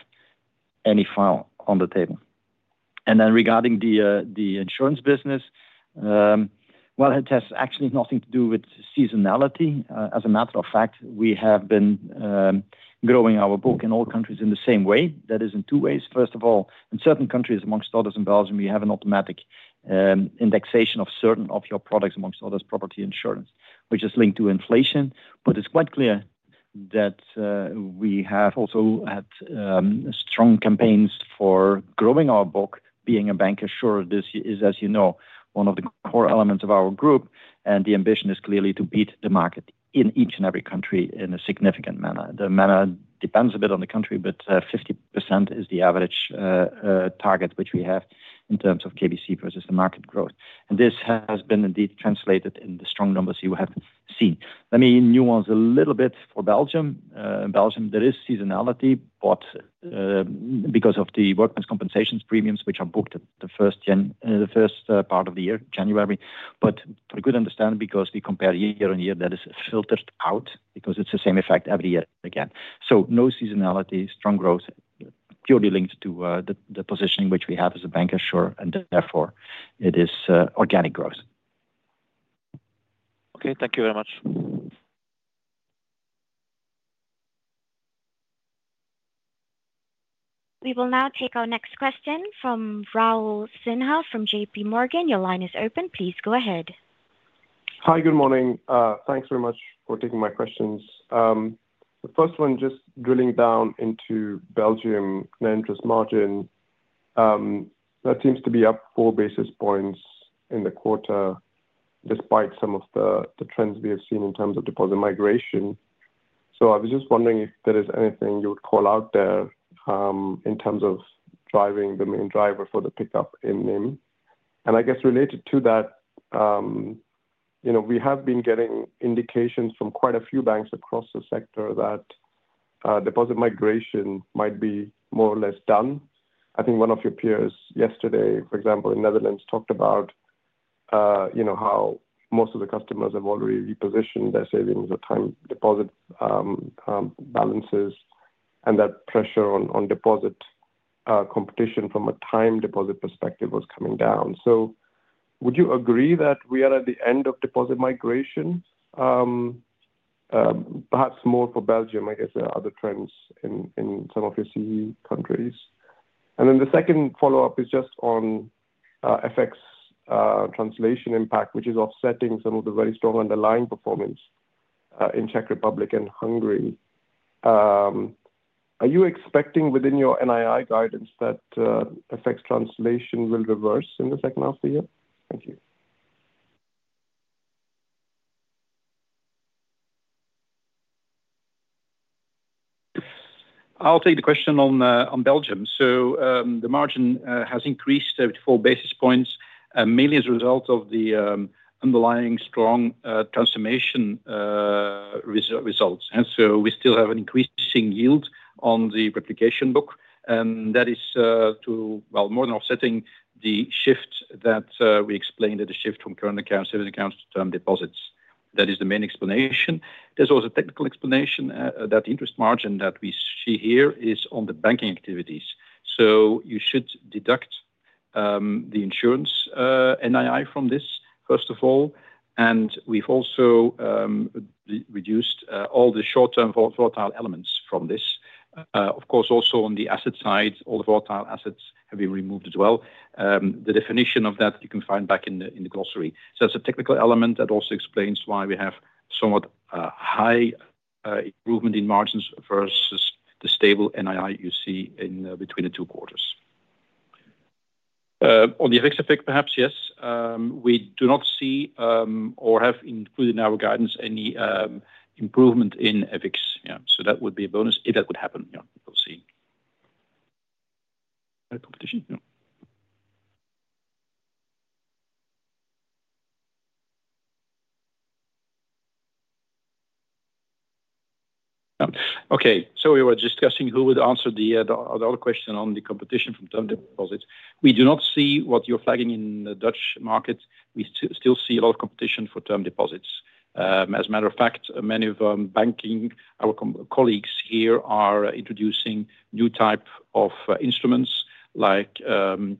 any file on the table. Then regarding the insurance business, well, it has actually nothing to do with seasonality. As a matter of fact, we have been growing our book in all countries in the same way. That is in two ways. First of all, in certain countries, among others in Belgium, you have an automatic indexation of certain of your products, among others, property insurance, which is linked to inflation. But it's quite clear that we have also had strong campaigns for growing our book, being a bank assurer. This is, as you know, one of the core elements of our group. And the ambition is clearly to beat the market in each and every country in a significant manner. The manner depends a bit on the country, but 50% is the average target, which we have in terms of KBC versus the market growth. And this has been indeed translated in the strong numbers you have seen. Let me nuance a little bit for Belgium. In Belgium, there is seasonality, but because of the workmen's compensations premiums, which are booked at the first part of the year, January. But for a good understanding, because we compare year-on-year, that is filtered out because it's the same effect every year again. So no seasonality, strong growth, purely linked to the positioning which we have as a bank assurer. And therefore, it is organic growth. Okay. Thank you very much. We will now take our next question from Raul Sinha from J.P. Morgan. Your line is open. Please go ahead. Hi. Good morning. Thanks very much for taking my questions. The first one, just drilling down into Belgium, the interest margin, that seems to be up four basis points in the quarter despite some of the trends we have seen in terms of deposit migration. I was just wondering if there is anything you would call out there in terms of driving the main driver for the pickup in NIM. And I guess related to that, we have been getting indications from quite a few banks across the sector that deposit migration might be more or less done. I think one of your peers yesterday, for example, in the Netherlands, talked about how most of the customers have already repositioned their savings or time deposit balances and that pressure on deposit competition from a time deposit perspective was coming down. Would you agree that we are at the end of deposit migration, perhaps more for Belgium? I guess there are other trends in some of your CE countries? The second follow-up is just on FX translation impact, which is offsetting some of the very strong underlying performance in Czech Republic and Hungary. Are you expecting within your NII guidance that FX translation will reverse in the second half of the year? Thank you. I'll take the question on Belgium. The margin has increased with 4 basis points mainly as a result of the underlying strong transformation results. And so we still have an increasing yield on the replication book. And that is to, well, more than offsetting the shift that we explained, the shift from current accounts, savings accounts, to term deposits. That is the main explanation. There's also a technical explanation that the interest margin that we see here is on the banking activities. You should deduct the insurance NII from this, first of all. We've also reduced all the short-term volatile elements from this. Of course, also on the asset side, all the volatile assets have been removed as well. The definition of that, you can find back in the glossary. So that's a technical element that also explains why we have somewhat high improvement in margins versus the stable NII you see between the two quarters. On the FX effect, perhaps, yes. We do not see or have included in our guidance any improvement in FX. Yeah. So that would be a bonus if that would happen. Yeah. We'll see. Competition. Yeah. Okay. So we were discussing who would answer the other question on the competition from term deposits. We do not see what you're flagging in the Dutch market. We still see a lot of competition for term deposits. As a matter of fact, many of our banking, our colleagues here are introducing new type of instruments like debt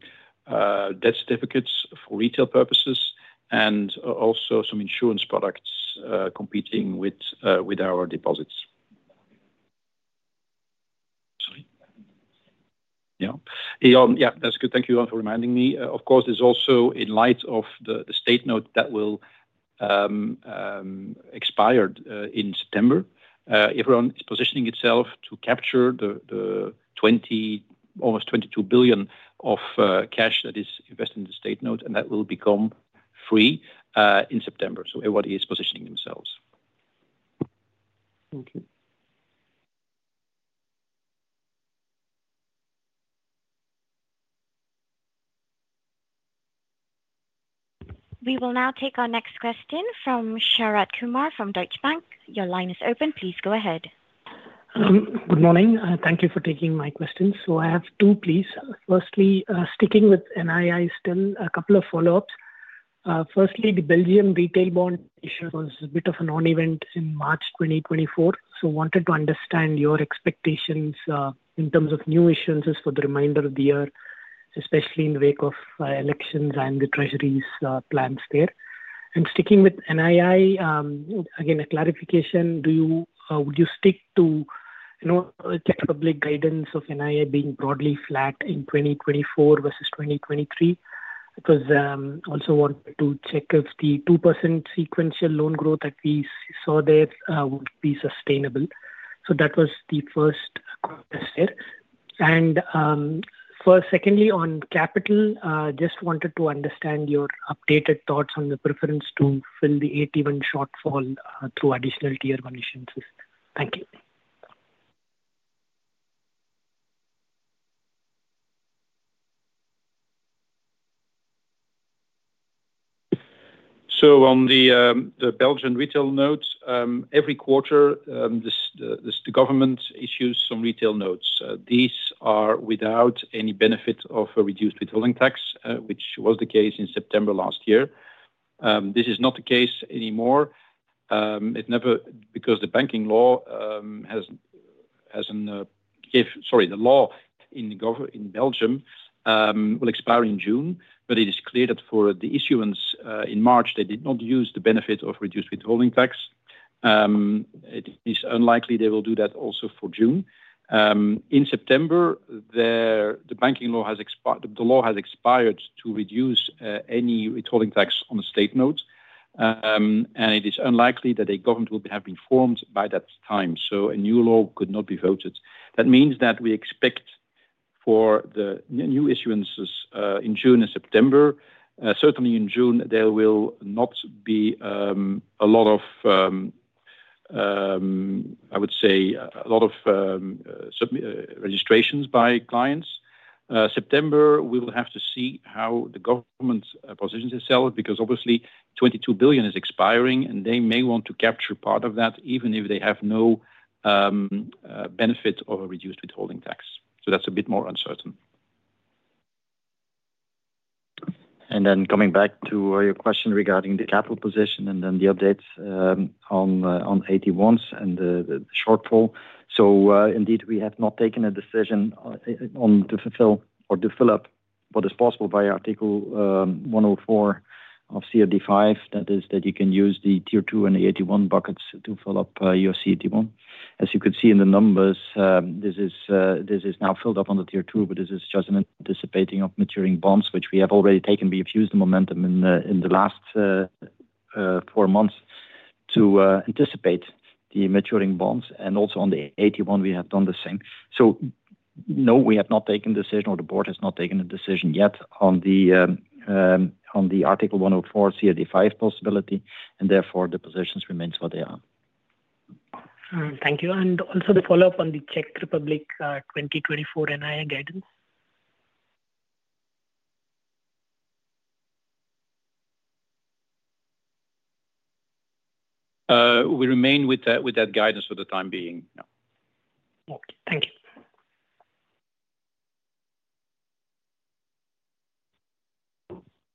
certificates for retail purposes and also some insurance products competing with our deposits. Sorry. Yeah. Yeah. That's good. Thank you, everyone, for reminding me. Of course, there's also, in light of the state note that will expire in September, everyone is positioning itself to capture the almost 22 billion of cash that is invested in the state note. And that will become free in September. So everybody is positioning themselves. Thank you. We will now take our next question from Sharad Kumar from Deutsche Bank. Your line is open. Please go ahead. Good morning. Thank you for taking my questions. So I have two, please. Firstly, sticking with NII still, a couple of follow-ups. Firstly, the Belgium retail bond issue was a bit of a one-off event in March 2024. So I wanted to understand your expectations in terms of new issuances for the remainder of the year, especially in the wake of elections and the treasury's plans there. And sticking with NII, again, a clarification, would you stick to Czech Republic guidance of NII being broadly flat in 2024 versus 2023? I also wanted to check if the 2% sequential loan growth that we saw there would be sustainable. So that was the first question there. And secondly, on capital, just wanted to understand your updated thoughts on the preference to fill the 81 shortfall through additional tier conditions. Thank you. So on the Belgian retail note, every quarter, the government issues some retail notes. These are without any benefit of a reduced withholding tax, which was the case in September last year. This is not the case anymore because the law in Belgium will expire in June. But it is clear that for the issuance in March, they did not use the benefit of reduced withholding tax. It is unlikely they will do that also for June. In September, the banking law has expired to reduce any withholding tax on the state note. It is unlikely that a government will have been formed by that time. A new law could not be voted. That means that we expect for the new issuances in June and September, certainly in June, there will not be a lot of, I would say, a lot of registrations by clients. September, we will have to see how the government positions itself because obviously, 22 billion is expiring. They may want to capture part of that even if they have no benefit of a reduced withholding tax. So that's a bit more uncertain. Then coming back to your question regarding the capital position and then the updates on AT1s and the shortfall. So indeed, we have not taken a decision on to fulfill or to fill up what is possible by Article 104 of CRD V. That is that you can use the Tier 2 and the AT1 buckets to fill up your CRD1. As you could see in the numbers, this is now filled up on the Tier 2. But this is just an anticipating of maturing bonds, which we have already taken. We have used the momentum in the last four months to anticipate the maturing bonds. And also on the AT1, we have done the same. So no, we have not taken a decision or the board has not taken a decision yet on the Article 104 CRD V possibility. And therefore, the positions remain what they are. Thank you. And also the follow-up on the Czech Republic 2024 NII guidance. We remain with that guidance for the time being. Yeah. Okay. Thank you.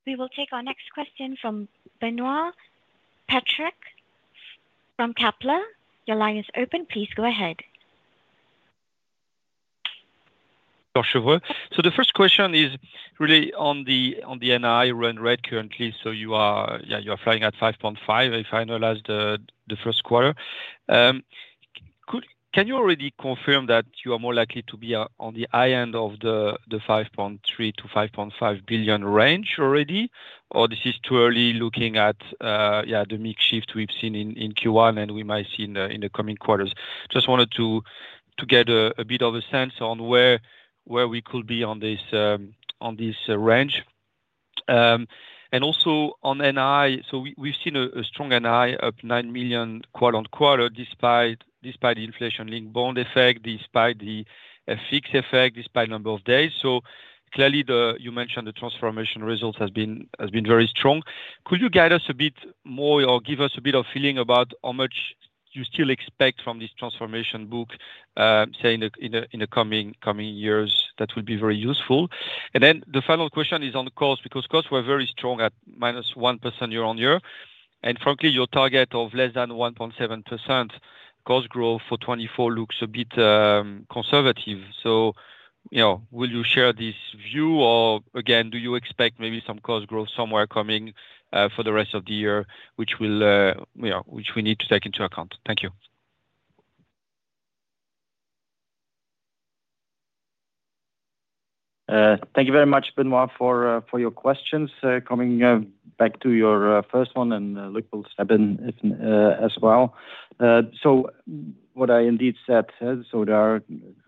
We will take our next question from Benoit Petrarque from Kepler. Your line is open. Please go ahead. So the first question is really on the NII run rate currently. So yeah, you are flying at 5.5 billion if I analyze the first quarter. Can you already confirm that you are more likely to be on the high end of the 5.3 billion-5.5 billion range already? Or this is too early looking at, yeah, the mixed shift we've seen in Q1 and we might see in the coming quarters? Just wanted to get a bit of a sense on where we could be on this range. Also on NII, so we've seen a strong NII up 9 million quarter-over-quarter despite the inflation-linked bond effect, despite the FX effect, despite number of days. So clearly, you mentioned the transformation results has been very strong. Could you guide us a bit more or give us a bit of feeling about how much you still expect from this transformation book, say, in the coming years? That will be very useful. Then the final question is on cost because costs were very strong at -1% year-over-year. And frankly, your target of less than 1.7% cost growth for 2024 looks a bit conservative. So will you share this view? Or again, do you expect maybe some cost growth somewhere coming for the rest of the year, which we need to take into account? Thank you. Thank you very much, Benoit, for your questions. Coming back to your first one and Luc Popelier as well. So what I indeed said, so there are a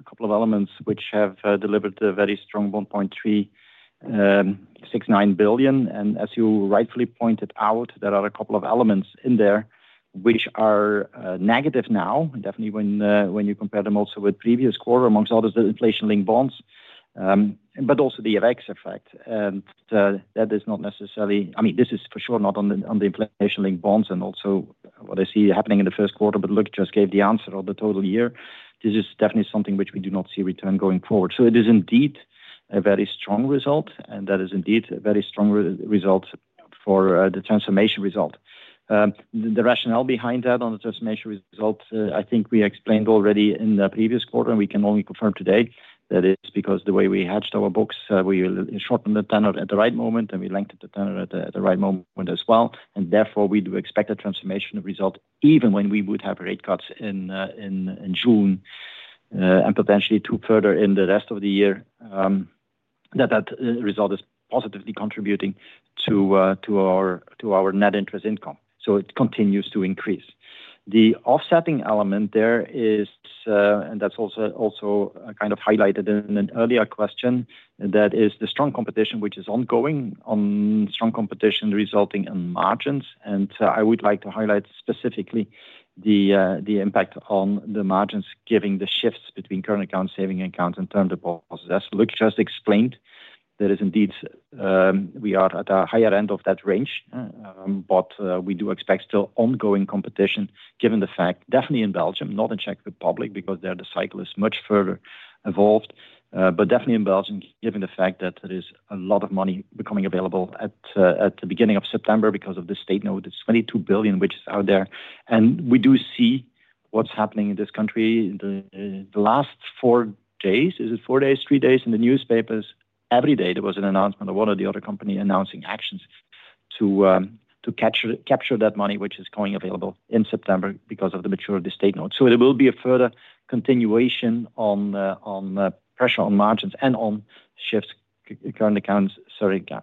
couple of elements which have delivered a very strong 1.369 billion. And as you rightfully pointed out, there are a couple of elements in there which are negative now, definitely when you compare them also with previous quarter, amongst others, the inflation-linked bonds but also the FX effect. And that is not necessarily I mean, this is for sure not on the inflation-linked bonds and also what I see happening in the first quarter. But Luc just gave the answer on the total year. This is definitely something which we do not see return going forward. So it is indeed a very strong result. And that is indeed a very strong result for the transformation result. The rationale behind that on the transformation result, I think we explained already in the previous quarter. And we can only confirm today that it's because the way we hedged our books, we shortened the tenor at the right moment. And we lengthened the tenor at the right moment as well. And therefore, we do expect a transformation result even when we would have rate cuts in June and potentially further in the rest of the year, that that result is positively contributing to our net interest income. So it continues to increase. The offsetting element there is, and that's also kind of highlighted in an earlier question. That is the strong competition which is ongoing, strong competition resulting in margins. I would like to highlight specifically the impact on the margins given the shifts between current accounts, savings accounts, and term deposits. As Luc just explained, that is indeed we are at a higher end of that range. We do expect still ongoing competition given the fact definitely in Belgium, not in Czech Republic because there the cycle is much further evolved. Definitely in Belgium, given the fact that there is a lot of money becoming available at the beginning of September because of the state note. It's 22 billion which is out there. We do see what's happening in this country. The last four days is it four days, three days in the newspapers? Every day, there was an announcement of one or the other company announcing actions to capture that money which is coming available in September because of the maturity of the state note. So it will be a further continuation on pressure on margins and on shifts current accounts.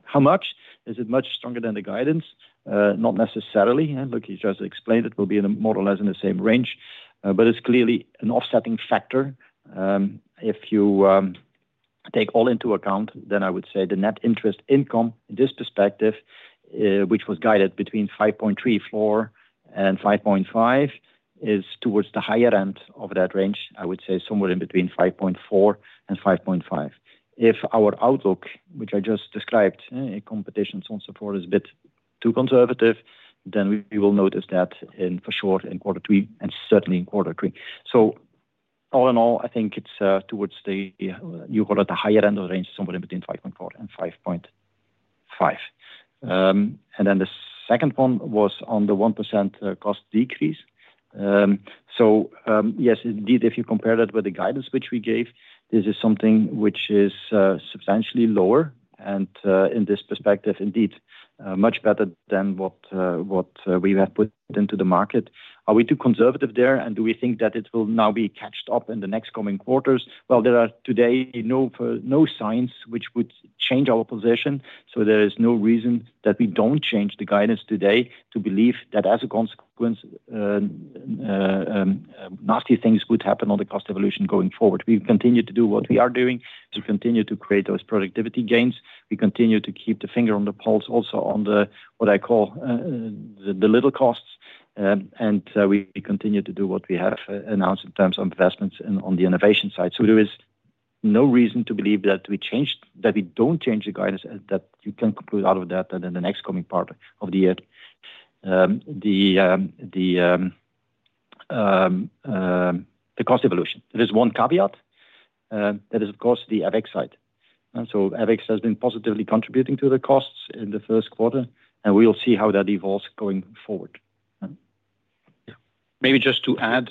How much? Is it much stronger than the guidance? Not necessarily. Luc has just explained it will be more or less in the same range. But it's clearly an offsetting factor. If you take all into account, then I would say the net interest income in this perspective, which was guided between 5.3 floor and 5.5, is towards the higher end of that range. I would say somewhere in between 5.4 and 5.5. If our outlook, which I just described, competition, so on and so forth, is a bit too conservative, then we will notice that for sure in quarter three and certainly in quarter three. So all in all, I think it's towards the you call it the higher end of the range, somewhere in between 5.4 and 5.5. And then the second one was on the 1% cost decrease. So yes, indeed, if you compare that with the guidance which we gave, this is something which is substantially lower. And in this perspective, indeed, much better than what we have put into the market. Are we too conservative there? And do we think that it will now be caught up in the next coming quarters? Well, there are today no signs which would change our position. So there is no reason that we don't change the guidance today to believe that as a consequence, nasty things would happen on the cost evolution going forward. We continue to do what we are doing to continue to create those productivity gains. We continue to keep the finger on the pulse also on what I call the little costs. And we continue to do what we have announced in terms of investments on the innovation side. So there is no reason to believe that we don't change the guidance that you can conclude out of that in the next coming part of the year, the cost evolution. There is one caveat. That is, of course, the FX side. So FX has been positively contributing to the costs in the first quarter. And we'll see how that evolves going forward. Yeah. Maybe just to add,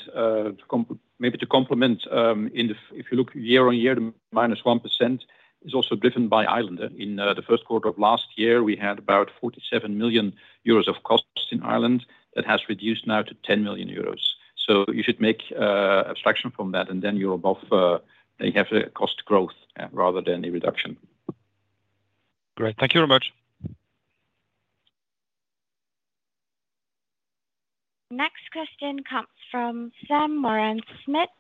maybe to complement, if you look year-on-year, the -1% is also driven by Ireland. In the first quarter of last year, we had about 47 million euros of costs in Ireland that has reduced now to 10 million euros. So you should make abstraction from that. And then you're above, you have a cost growth rather than a reduction. Great. Thank you very much. Next question comes from Sam Moran-Smyth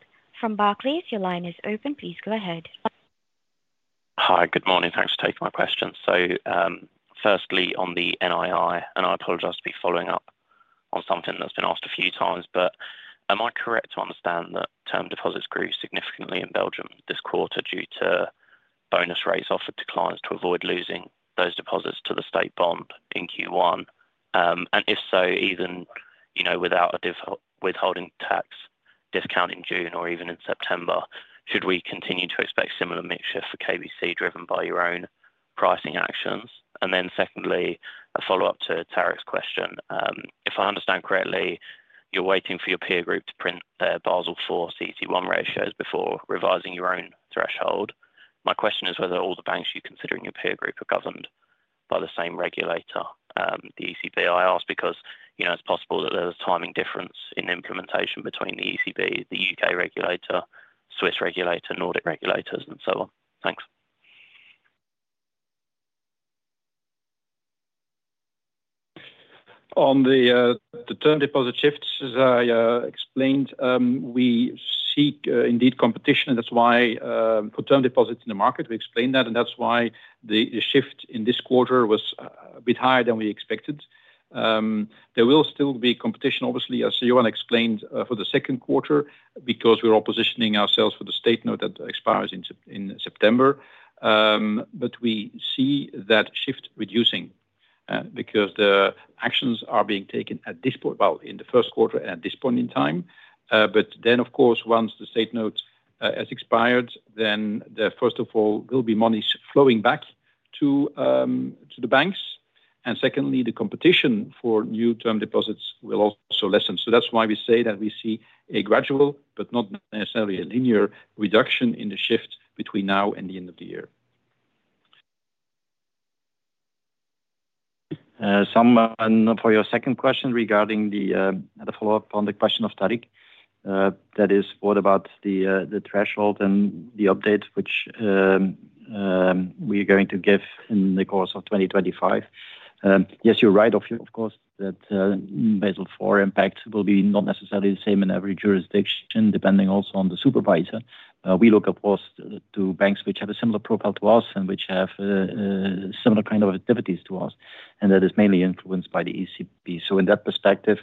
from Barclays. Your line is open. Please go ahead. Hi. Good morning. Thanks for taking my question. So firstly, on the NII, and I apologize to be following up on something that's been asked a few times. But am I correct to understand that term deposits grew significantly in Belgium this quarter due to bonus rates offered to clients to avoid losing those deposits to the state bond in Q1? And if so, even without a withholding tax discount in June or even in September, should we continue to expect similar mixture for KBC driven by your own pricing actions? And then secondly, a follow-up to Tariq's question. If I understand correctly, you're waiting for your peer group to print their Basel IV CET1 ratios before revising your own threshold. My question is whether all the banks you consider in your peer group are governed by the same regulator, the ECB. I ask because it's possible that there's a timing difference in implementation between the ECB, the UK regulator, Swiss regulator, Nordic regulators, and so on. Thanks. On the term deposit shifts as I explained, we seek indeed competition. And that's why for term deposits in the market, we explained that. And that's why the shift in this quarter was a bit higher than we expected. There will still be competition, obviously, as Johan explained, for the second quarter because we're all positioning ourselves for the state note that expires in September. But we see that shift reducing because the actions are being taken at this point well, in the first quarter and at this point in time. But then, of course, once the state note has expired, then first of all, there'll be money flowing back to the banks. And secondly, the competition for new term deposits will also lessen. So that's why we say that we see a gradual but not necessarily a linear reduction in the shift between now and the end of the year. For your second question regarding the follow-up on the question of Tariq, that is, what about the threshold and the update which we are going to give in the course of 2025? Yes, you're right, of course, that Basel IV impact will be not necessarily the same in every jurisdiction depending also on the supervisor. We look, of course, to banks which have a similar profile to us and which have similar kind of activities to us. And that is mainly influenced by the ECB. So in that perspective,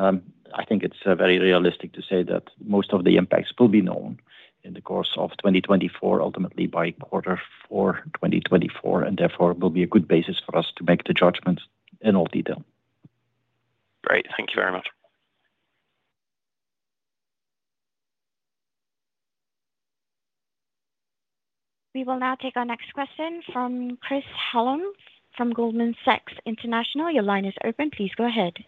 I think it's very realistic to say that most of the impacts will be known in the course of 2024 ultimately by quarter four 2024. And therefore, it will be a good basis for us to make the judgments in all detail. Great. Thank you very much. We will now take our next question from Chris Hallam from Goldman Sachs International. Your line is open. Please go ahead.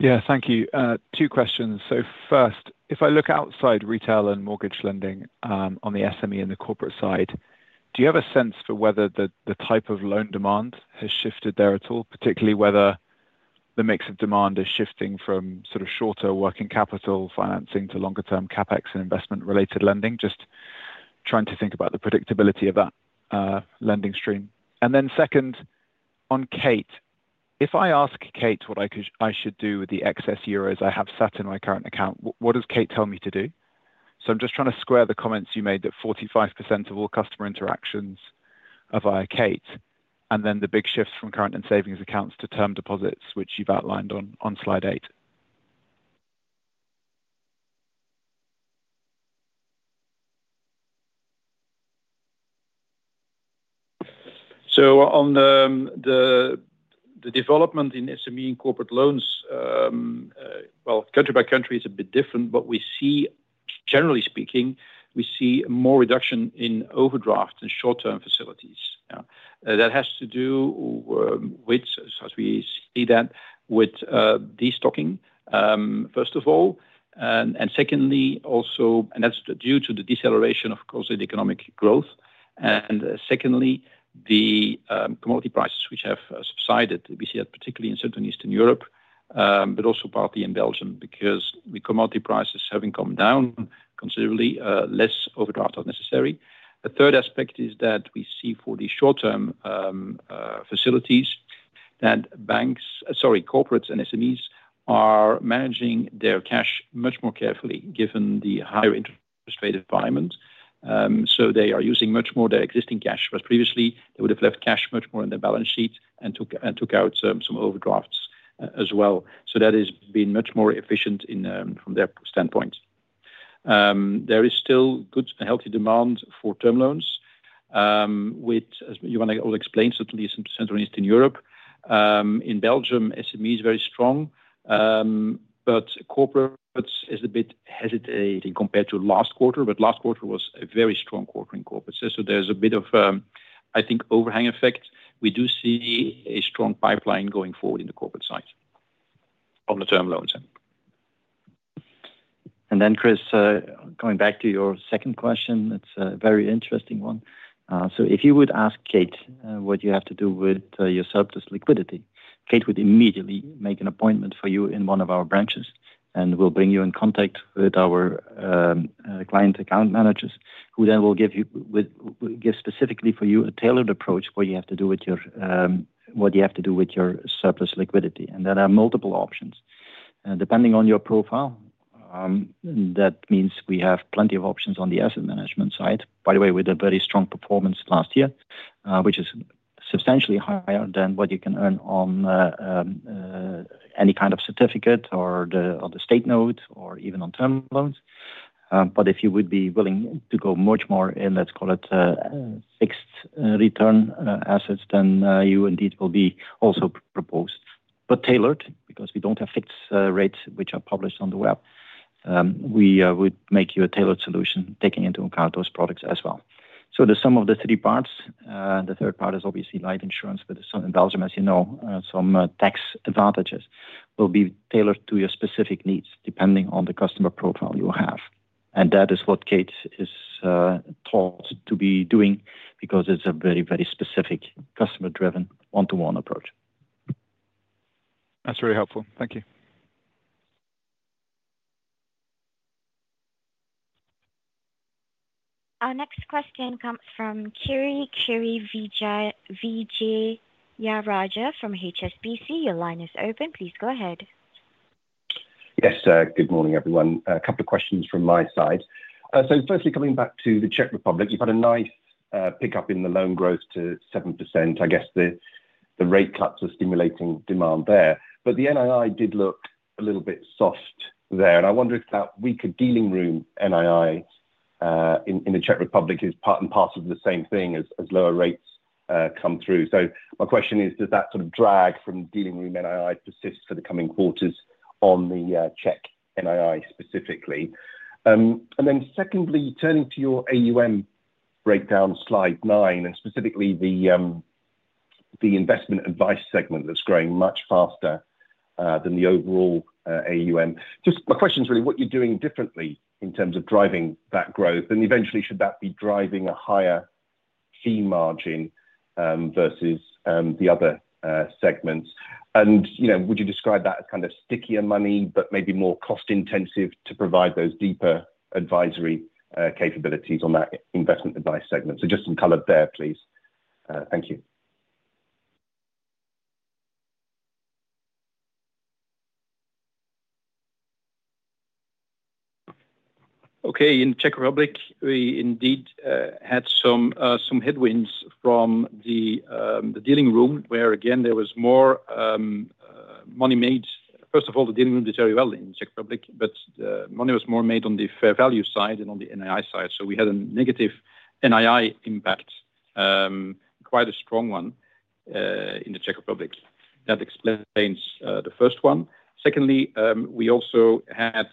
Yeah. Thank you. Two questions. So first, if I look outside retail and mortgage lending on the SME and the corporate side, do you have a sense for whether the type of loan demand has shifted there at all, particularly whether the mix of demand is shifting from sort of shorter working capital financing to longer-term CapEx and investment-related lending? Just trying to think about the predictability of that lending stream. And then second, on Kate, if I ask Kate what I should do with the excess euros I have sat in my current account, what does Kate tell me to do? So I'm just trying to square the comments you made that 45% of all customer interactions are via Kate and then the big shifts from current and savings accounts to term deposits which you've outlined on slide 8. So, on the development in SME and corporate loans, well, country by country is a bit different. But generally speaking, we see more reduction in overdrafts and short-term facilities. That has to do with, as we see that with destocking, first of all. And secondly, also, and that's due to the deceleration, of course, in economic growth. And secondly, the commodity prices which have subsided, we see that particularly in central and eastern Europe but also partly in Belgium because commodity prices having come down considerably, less overdraft are necessary. The third aspect is that we see for the short-term facilities that banks, sorry, corporates and SMEs are managing their cash much more carefully given the higher interest rate environment. So they are using much more their existing cash whereas previously, they would have left cash much more in their balance sheet and took out some overdrafts as well. So that has been much more efficient from their standpoint. There is still good and healthy demand for term loans which Johan will explain certainly in Central and Eastern Europe. In Belgium, SME is very strong. But corporates is a bit hesitating compared to last quarter. But last quarter was a very strong quarter in corporates. So there's a bit of, I think, overhang effect. We do see a strong pipeline going forward in the corporate side on the term loans. And then Chris, going back to your second question, it's a very interesting one. So if you would ask Kate what you have to do with your surplus liquidity, Kate would immediately make an appointment for you in one of our branches. And we'll bring you in contact with our client account managers who then will give specifically for you a tailored approach for what you have to do with your what you have to do with your surplus liquidity. There are multiple options. Depending on your profile, that means we have plenty of options on the asset management side. By the way, we had a very strong performance last year which is substantially higher than what you can earn on any kind of certificate or the state note or even on term loans. But if you would be willing to go much more in, let's call it, fixed return assets, then you indeed will be also proposed but tailored because we don't have fixed rates which are published on the web. We would make you a tailored solution taking into account those products as well. So there's some of the three parts. The third part is obviously life insurance. But in Belgium, as you know, some tax advantages will be tailored to your specific needs depending on the customer profile you have. And that is what Kate is taught to be doing because it's a very, very specific customer-driven one-to-one approach. That's very helpful. Thank you. Our next question comes from Kiri Vijayarajah from HSBC. Your line is open. Please go ahead. Yes. Good morning, everyone. A couple of questions from my side. So firstly, coming back to the Czech Republic, you've had a nice pickup in the loan growth to 7%. I guess the rate cuts are stimulating demand there. But the NII did look a little bit soft there. And I wonder if that weaker dealing room NII in the Czech Republic is part and parcel of the same thing as lower rates come through. So my question is, does that sort of drag from dealing room NII persist for the coming quarters on the Czech NII specifically? And then secondly, turning to your AUM breakdown slide 9 and specifically the investment advice segment that's growing much faster than the overall AUM, just my question is really what you're doing differently in terms of driving that growth. And eventually, should that be driving a higher fee margin versus the other segments? And would you describe that as kind of stickier money but maybe more cost-intensive to provide those deeper advisory capabilities on that investment advice segment? So just some color there, please. Thank you. Okay. In Czech Republic, we indeed had some headwinds from the dealing room where, again, there was more money made. First of all, the dealing room did very well in Czech Republic. But the money was more made on the fair value side than on the NII side. So we had a negative NII impact, quite a strong one, in the Czech Republic. That explains the first one. Secondly, we also had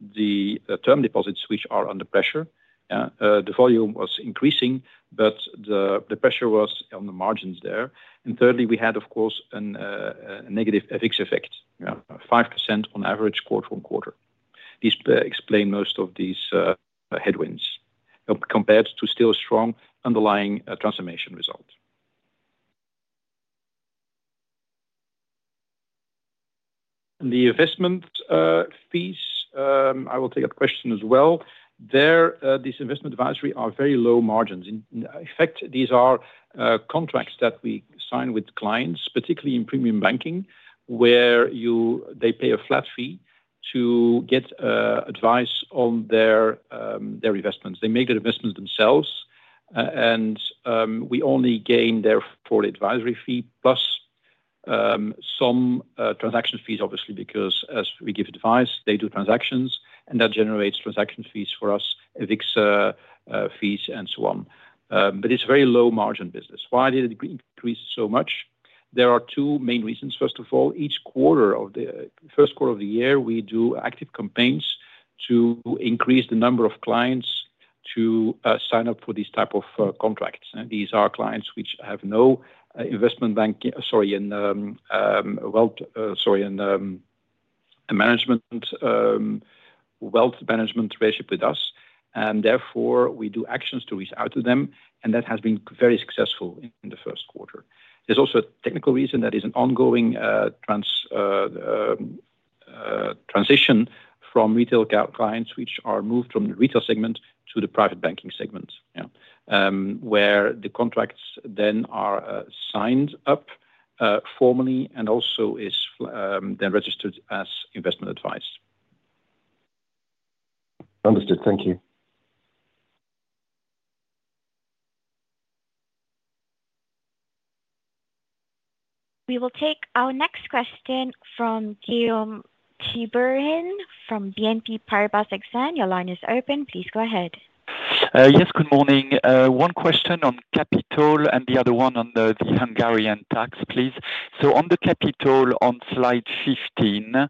the term deposits which are under pressure. The volume was increasing. But the pressure was on the margins there. And thirdly, we had, of course, a negative FX effect, 5% on average quarter-on-quarter. These explain most of these headwinds compared to still a strong underlying transformation result. The investment fees, I will take that question as well. There, these investment advisory are very low margins. In fact, these are contracts that we sign with clients, particularly in premium banking where they pay a flat fee to get advice on their investments. They make their investments themselves. And we only gain therefore the advisory fee plus some transaction fees, obviously, because as we give advice, they do transactions. And that generates transaction fees for us, FX fees, and so on. But it's a very low-margin business. Why did it increase so much? There are two main reasons. First of all, each quarter. In the first quarter of the year, we do active campaigns to increase the number of clients to sign up for these type of contracts. These are clients which have no investment banking, sorry, and wealth management relationship with us. And therefore, we do actions to reach out to them. That has been very successful in the first quarter. There's also a technical reason that is an ongoing transition from retail clients which are moved from the retail segment to the private banking segment where the contracts then are signed up formally and also is then registered as investment advice. Understood. Thank you. We will take our next question from Guillaume Tiberghien from BNP Paribas. Your line is open. Please go ahead. Yes. Good morning. One question on capital and the other one on the Hungarian tax, please. So on the capital on slide 15,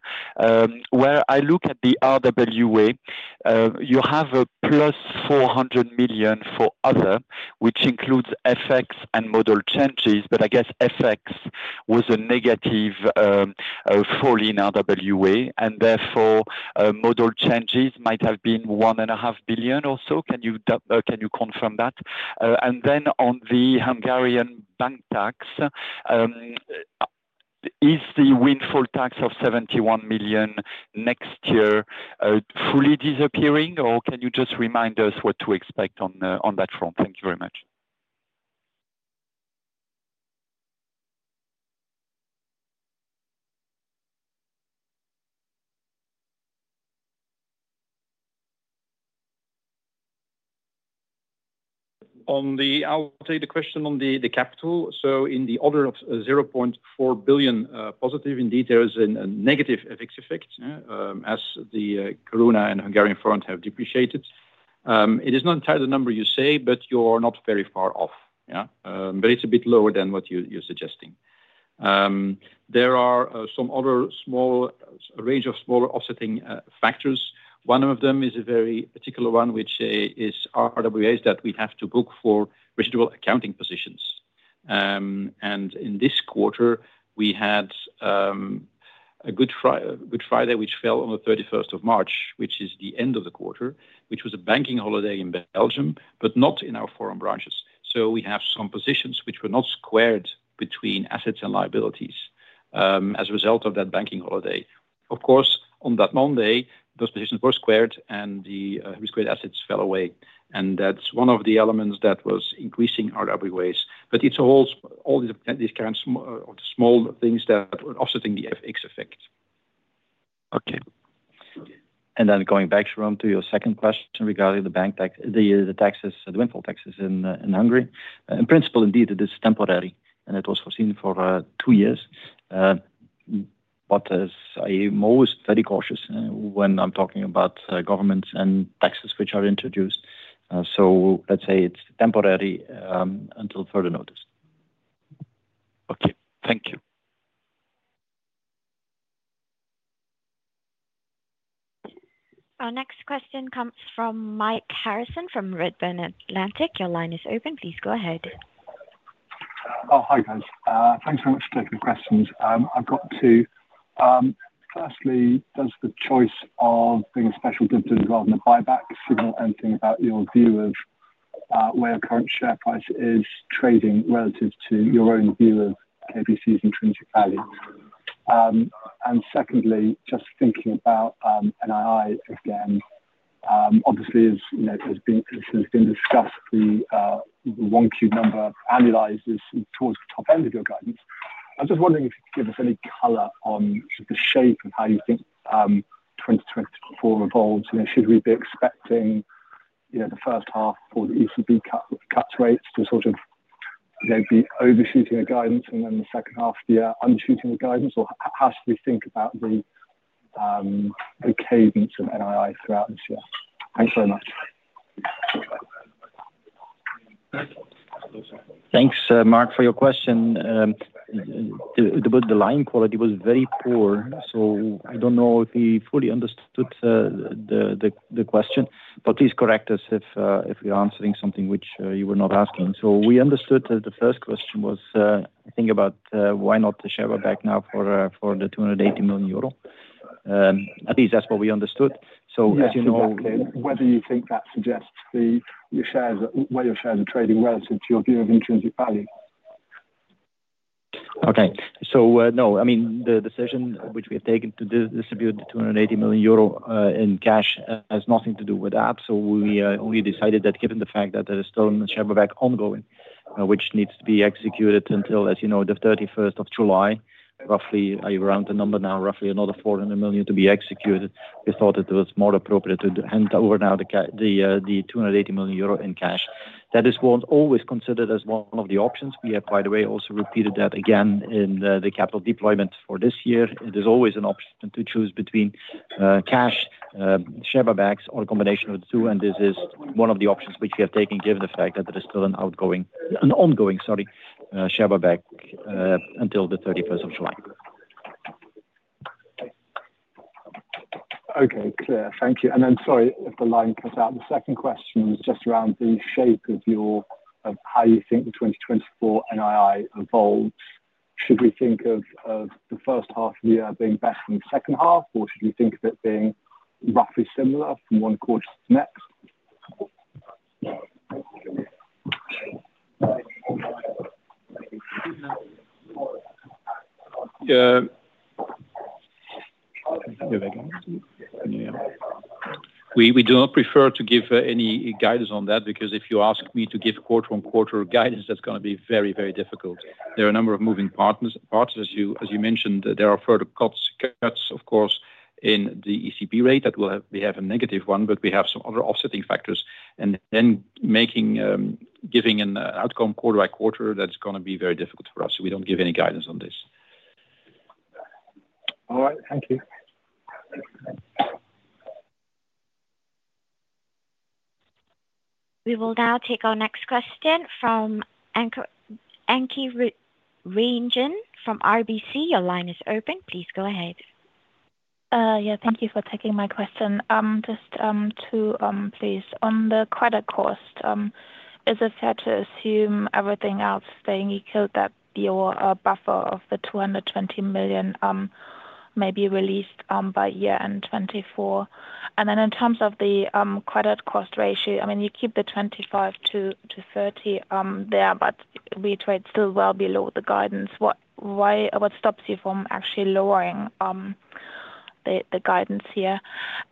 where I look at the RWA, you have a plus 400 million for other which includes FX and model changes. But I guess FX was a negative fall in RWA. And therefore, model changes might have been 1.5 billion or so. Can you confirm that? Then on the Hungarian bank tax, is the windfall tax of 71 million next year fully disappearing? Or can you just remind us what to expect on that front? Thank you very much. I will take the question on the capital. In the order of 0.4 billion positive, indeed, there is a negative FX effect as the koruna and Hungarian forint have depreciated. It is not entirely the number you say. But you are not very far off. But it's a bit lower than what you're suggesting. There are some other small range of smaller offsetting factors. One of them is a very particular one which is RWAs that we have to book for residual accounting positions. And in this quarter, we had a Good Friday which fell on the 31st of March which was a banking holiday in Belgium but not in our foreign branches. So we have some positions which were not squared between assets and liabilities as a result of that banking holiday. Of course, on that Monday, those positions were squared. And the squared assets fell away. And that's one of the elements that was increasing RWAs. But it's all these kinds of small things that were offsetting the FX effect. Okay. And then going back, Jerome, to your second question regarding the windfall taxes in Hungary, in principle, indeed, it is temporary. And it was foreseen for two years. But I am always very cautious when I'm talking about governments and taxes which are introduced. So let's say it's temporary until further notice. Okay. Thank you. Our next question comes from Mike Harrison from Redburn Atlantic. Your line is open. Please go ahead. Oh, hi, guys. Thanks very much for taking the questions. I've got two. Firstly, does the choice of being a special dividend rather than a buyback signal anything about your view of where the current share price is trading relative to your own view of KBC's intrinsic value? And secondly, just thinking about NII again, obviously, as has been discussed, the one-Q number annualizes towards the top end of your guidance. I was just wondering if you could give us any color on the shape of how you think 2024 evolves. Should we be expecting the first half for the ECB cuts rates to sort of be overshooting the guidance and then the second half of the year undershooting the guidance? Or how should we think about the cadence of NII throughout this year? Thanks very much. Thanks, Mark, for your question. The line quality was very poor. So I don't know if he fully understood the question. But please correct us if we're answering something which you were not asking. So we understood that the first question was, I think, about why not share back now for the 280 million euro. At least, that's what we understood. So as you know. Yes. Exactly.Whether you think that suggests where your shares are trading relative to your view of intrinsic value. Okay. So no. I mean, the decision which we have taken to distribute the 280 million euro in cash has nothing to do with that. So we only decided that given the fact that there is still share back ongoing which needs to be executed until, as you know, the 31st of July, roughly around the number now, roughly another 400 million to be executed, we thought it was more appropriate to hand over now the 280 million euro in cash. That is always considered as one of the options. We have, by the way, also repeated that again in the capital deployment for this year. There's always an option to choose between cash, share back, or a combination of the two. And this is one of the options which we have taken given the fact that there is still an ongoing sorry, share back until the 31st of July. Okay. Clear. Thank you. And then sorry if the line cut out. The second question was just around the shape of how you think the 2024 NII evolves. Should we think of the first half of the year being better than the second half? Or should we think of it being roughly similar from one quarter to the next? Here we go. We do not prefer to give any guidance on that because if you ask me to give quarter-over-quarter guidance, that's going to be very, very difficult. There are a number of moving parts. As you mentioned, there are further cuts, of course, in the ECB rate. We have a negative one. But we have some other offsetting factors. And then giving an outcome quarter-by-quarter, that's going to be very difficult for us. So we don't give any guidance on this. All right. Thank you. We will now take our next question from Anke Reingen from RBC. Your line is open. Please go ahead. Yeah. Thank you for taking my question. Just two, please. On the credit cost, is it fair to assume everything else staying equal that your buffer of the 220 million may be released by year-end 2024? And then in terms of the credit cost ratio, I mean, you keep the 25-30 there. But we trade still well below the guidance. What stops you from actually lowering the guidance here?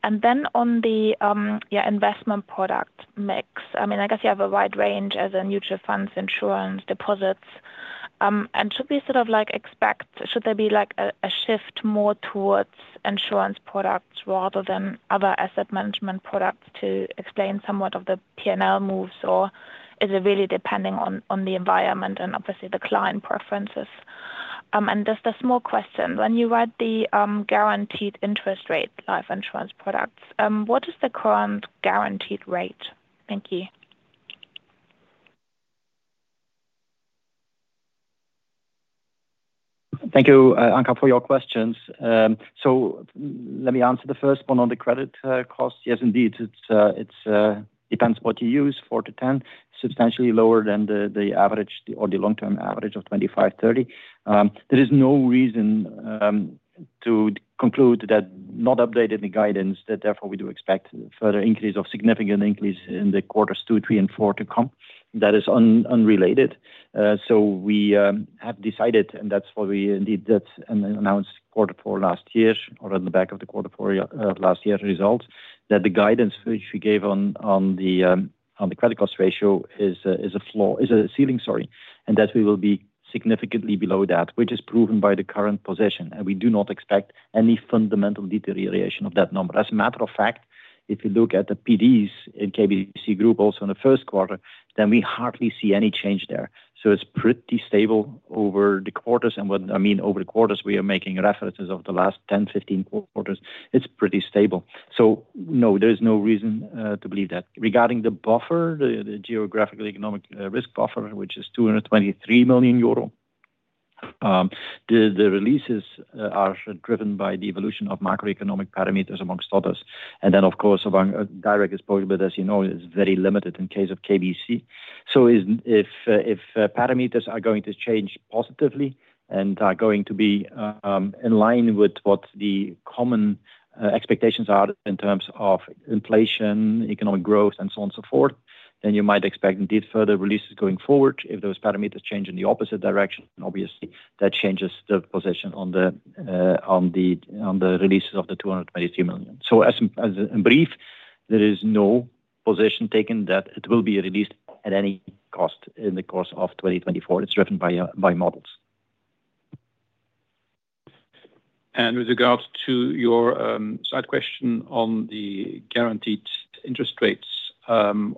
And then on the investment product mix, I mean, I guess you have a wide range as in mutual funds, insurance, deposits. And should we sort of expect should there be a shift more towards insurance products rather than other asset management products to explain somewhat of the P&L moves? Or is it really depending on the environment and, obviously, the client preferences? And just a small question. When you write the guaranteed interest rate life insurance products, what is the current guaranteed rate? Thank you. Thank you, Anka, for your questions. So let me answer the first one on the credit cost. Yes, indeed, it depends what you use. 4-10, substantially lower than the long-term average of 25-30. There is no reason to conclude that not updated in guidance that, therefore, we do expect further increase or significant increase in the quarters 2, 3, and 4 to come. That is unrelated. So we have decided and that's why we, indeed, announced quarter 4 last year or at the back of the quarter 4 last year results that the guidance which we gave on the credit cost ratio is a floor is a ceiling, sorry, and that we will be significantly below that which is proven by the current position. We do not expect any fundamental deterioration of that number. As a matter of fact, if you look at the PDs in KBC Group also in the first quarter, then we hardly see any change there. So it's pretty stable over the quarters. And when I mean over the quarters, we are making references of the last 10, 15 quarters. It's pretty stable. So no, there is no reason to believe that. Regarding the buffer, the geographically economic risk buffer which is 223 million euro, the releases are driven by the evolution of macroeconomic parameters among others. And then, of course, among direct exposure, but as you know, it's very limited in case of KBC. So if parameters are going to change positively and are going to be in line with what the common expectations are in terms of inflation, economic growth, and so on and so forth, then you might expect, indeed, further releases going forward. If those parameters change in the opposite direction, obviously, that changes the position on the releases of 223 million. So in brief, there is no position taken that it will be released at any cost in the course of 2024. It's driven by models. And with regards to your side question on the guaranteed interest rates on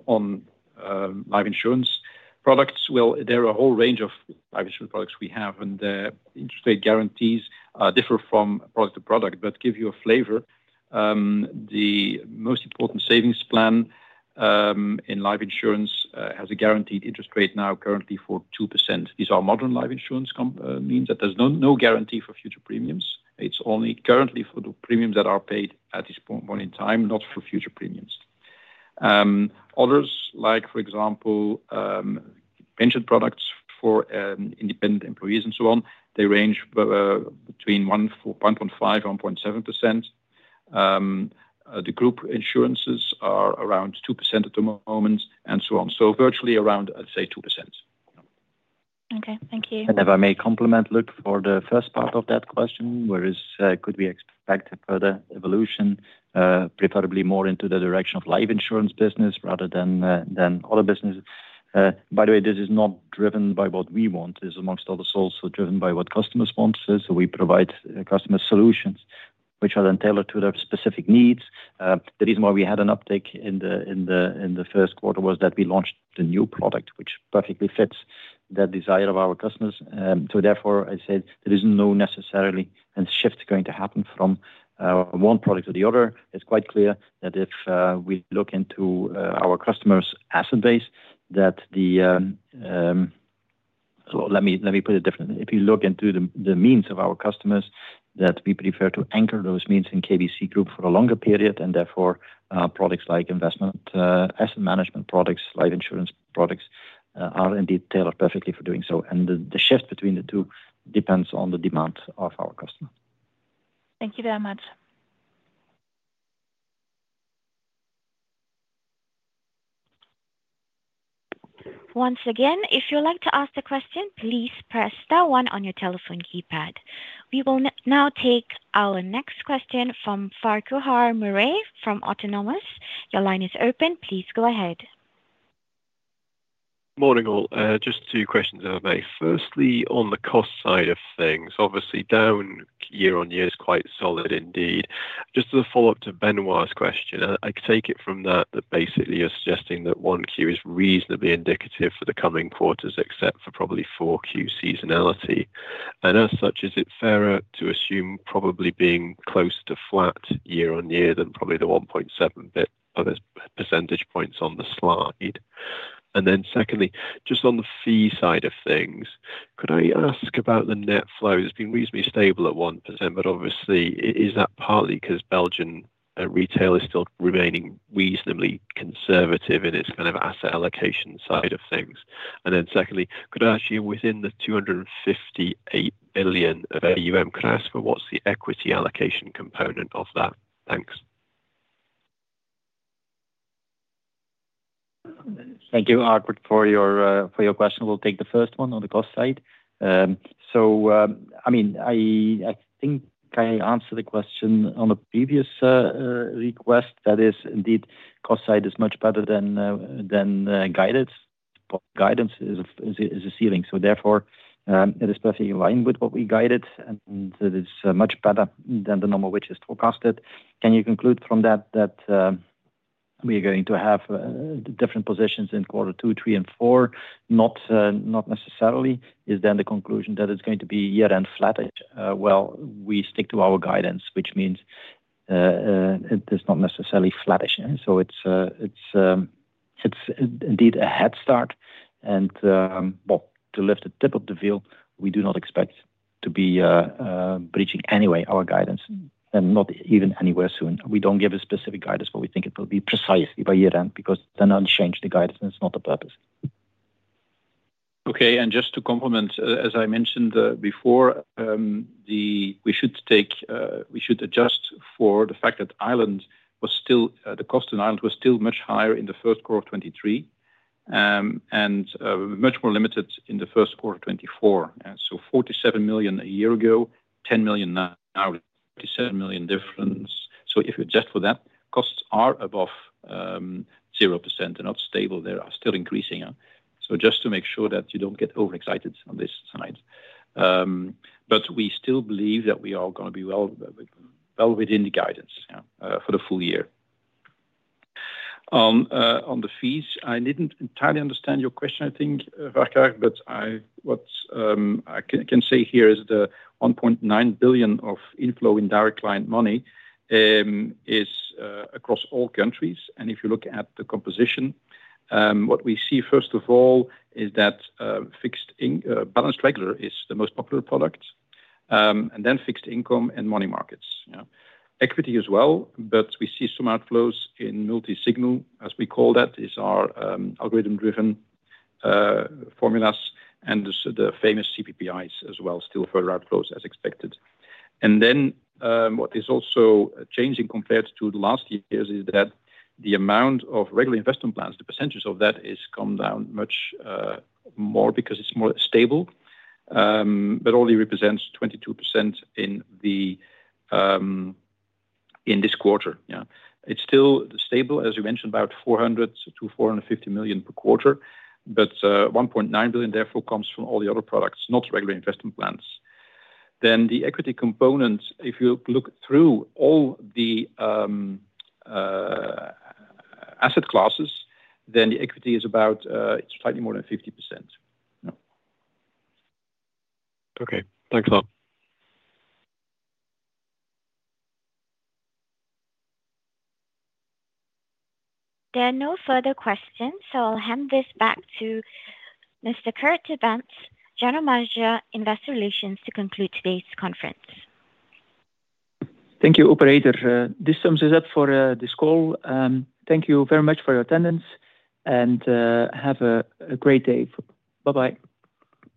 life insurance products, there are a whole range of life insurance products we have. And the interest rate guarantees differ from product to product but give you a flavor. The most important savings plan in life insurance has a guaranteed interest rate now currently for 2%. These are modern life insurance means that there's no guarantee for future premiums. It's only currently for the premiums that are paid at this point in time, not for future premiums. Others, like, for example, pension products for independent employees and so on, they range between 1.5%-1.7%. The group insurances are around 2% at the moment and so on. So virtually around, I'd say, 2%. Okay. Thank you. And if I may comment, look for the first part of that question where could we expect further evolution, preferably more into the direction of life insurance business rather than other business? By the way, this is not driven by what we want. It's amongst others also driven by what customers want. So we provide customer solutions which are then tailored to their specific needs. The reason why we had an uptake in the first quarter was that we launched a new product which perfectly fits that desire of our customers. So therefore, I said there is no necessarily a shift going to happen from one product to the other. It's quite clear that if we look into our customer's asset base, that the well, let me put it differently. If you look into the means of our customers, that we prefer to anchor those means in KBC Group for a longer period. And therefore, products like investment asset management products, life insurance products are, indeed, tailored perfectly for doing so. And the shift between the two depends on the demand of our customer. Thank you very much. Once again, if you'd like to ask a question, please press star one on your telephone keypad. We will now take our next question from Farquhar Murray from Autonomous. Your line is open. Please go ahead. Morning, all. Just two questions, if I may. Firstly, on the cost side of things, obviously, down year-on-year is quite solid, indeed. Just as a follow-up to Benoit's question, I take it from that that basically, you're suggesting that 1Q is reasonably indicative for the coming quarters except for probably 4Q seasonality. And as such, is it fairer to assume probably being close to flat year-on-year than probably the 1.7 percentage points on the slide? And then secondly, just on the fee side of things, could I ask about the net flow? It's been reasonably stable at 1%. But obviously, is that partly because Belgian retail is still remaining reasonably conservative in its kind of asset allocation side of things? Then secondly, could I ask you, within the 258 billion of AUM, could I ask for what's the equity allocation component of that? Thanks. Thank you, Farquhar, for your question. We'll take the first one on the cost side. So I mean, I think I answered the question on a previous request. That is, indeed, cost side is much better than guidance. Guidance is a ceiling. So therefore, it is perfectly in line with what we guided. And it is much better than the number which is forecasted. Can you conclude from that that we are going to have different positions in quarter two, three, and four? Not necessarily. Is then the conclusion that it's going to be year-end flattish? Well, we stick to our guidance which means it is not necessarily flattish. So it's, indeed, a head start. Well, to lift the tip of the veil, we do not expect to be breaching anyway our guidance and not even anywhere soon. We don't give a specific guidance. But we think it will be precisely by year-end because then unchanged the guidance. And it's not the purpose. Okay. And just to complement, as I mentioned before, we should adjust for the fact that the cost in Ireland was still much higher in the first quarter of 2023 and much more limited in the first quarter of 2024. So 47 million a year ago, 10 million now. 47 million difference. So if you adjust for that, costs are above 0%. They're not stable. They are still increasing. So just to make sure that you don't get overexcited on this side. But we still believe that we are going to be well within the guidance for the full year. On the fees, I didn't entirely understand your question, I think, Farquhar. But what I can say here is the 1.9 billion of inflow in direct client money is across all countries. And if you look at the composition, what we see, first of all, is that balanced regular is the most popular product and then fixed income and money markets. Equity as well. But we see some outflows in Multi Signal, as we call that. These are algorithm-driven formulas and the famous CPPIs as well. Still further outflows as expected. And then what is also changing compared to the last years is that the amount of regular investment plans, the percentage of that, has come down much more because it's more stable. But only represents 22% in this quarter. It's still stable, as you mentioned, about 400 million-450 million per quarter. 1.9 billion, therefore, comes from all the other products, not regular investment plans. Then the equity component, if you look through all the asset classes, then the equity is about it's slightly more than 50%. Okay. Thanks a lot. There are no further questions. I'll hand this back to Mr. Kurt De Baenst, General Manager Investor Relations, to conclude today's conference. Thank you, Operator. Is that for this call? Thank you very much for your attendance. Have a great day. Bye-bye.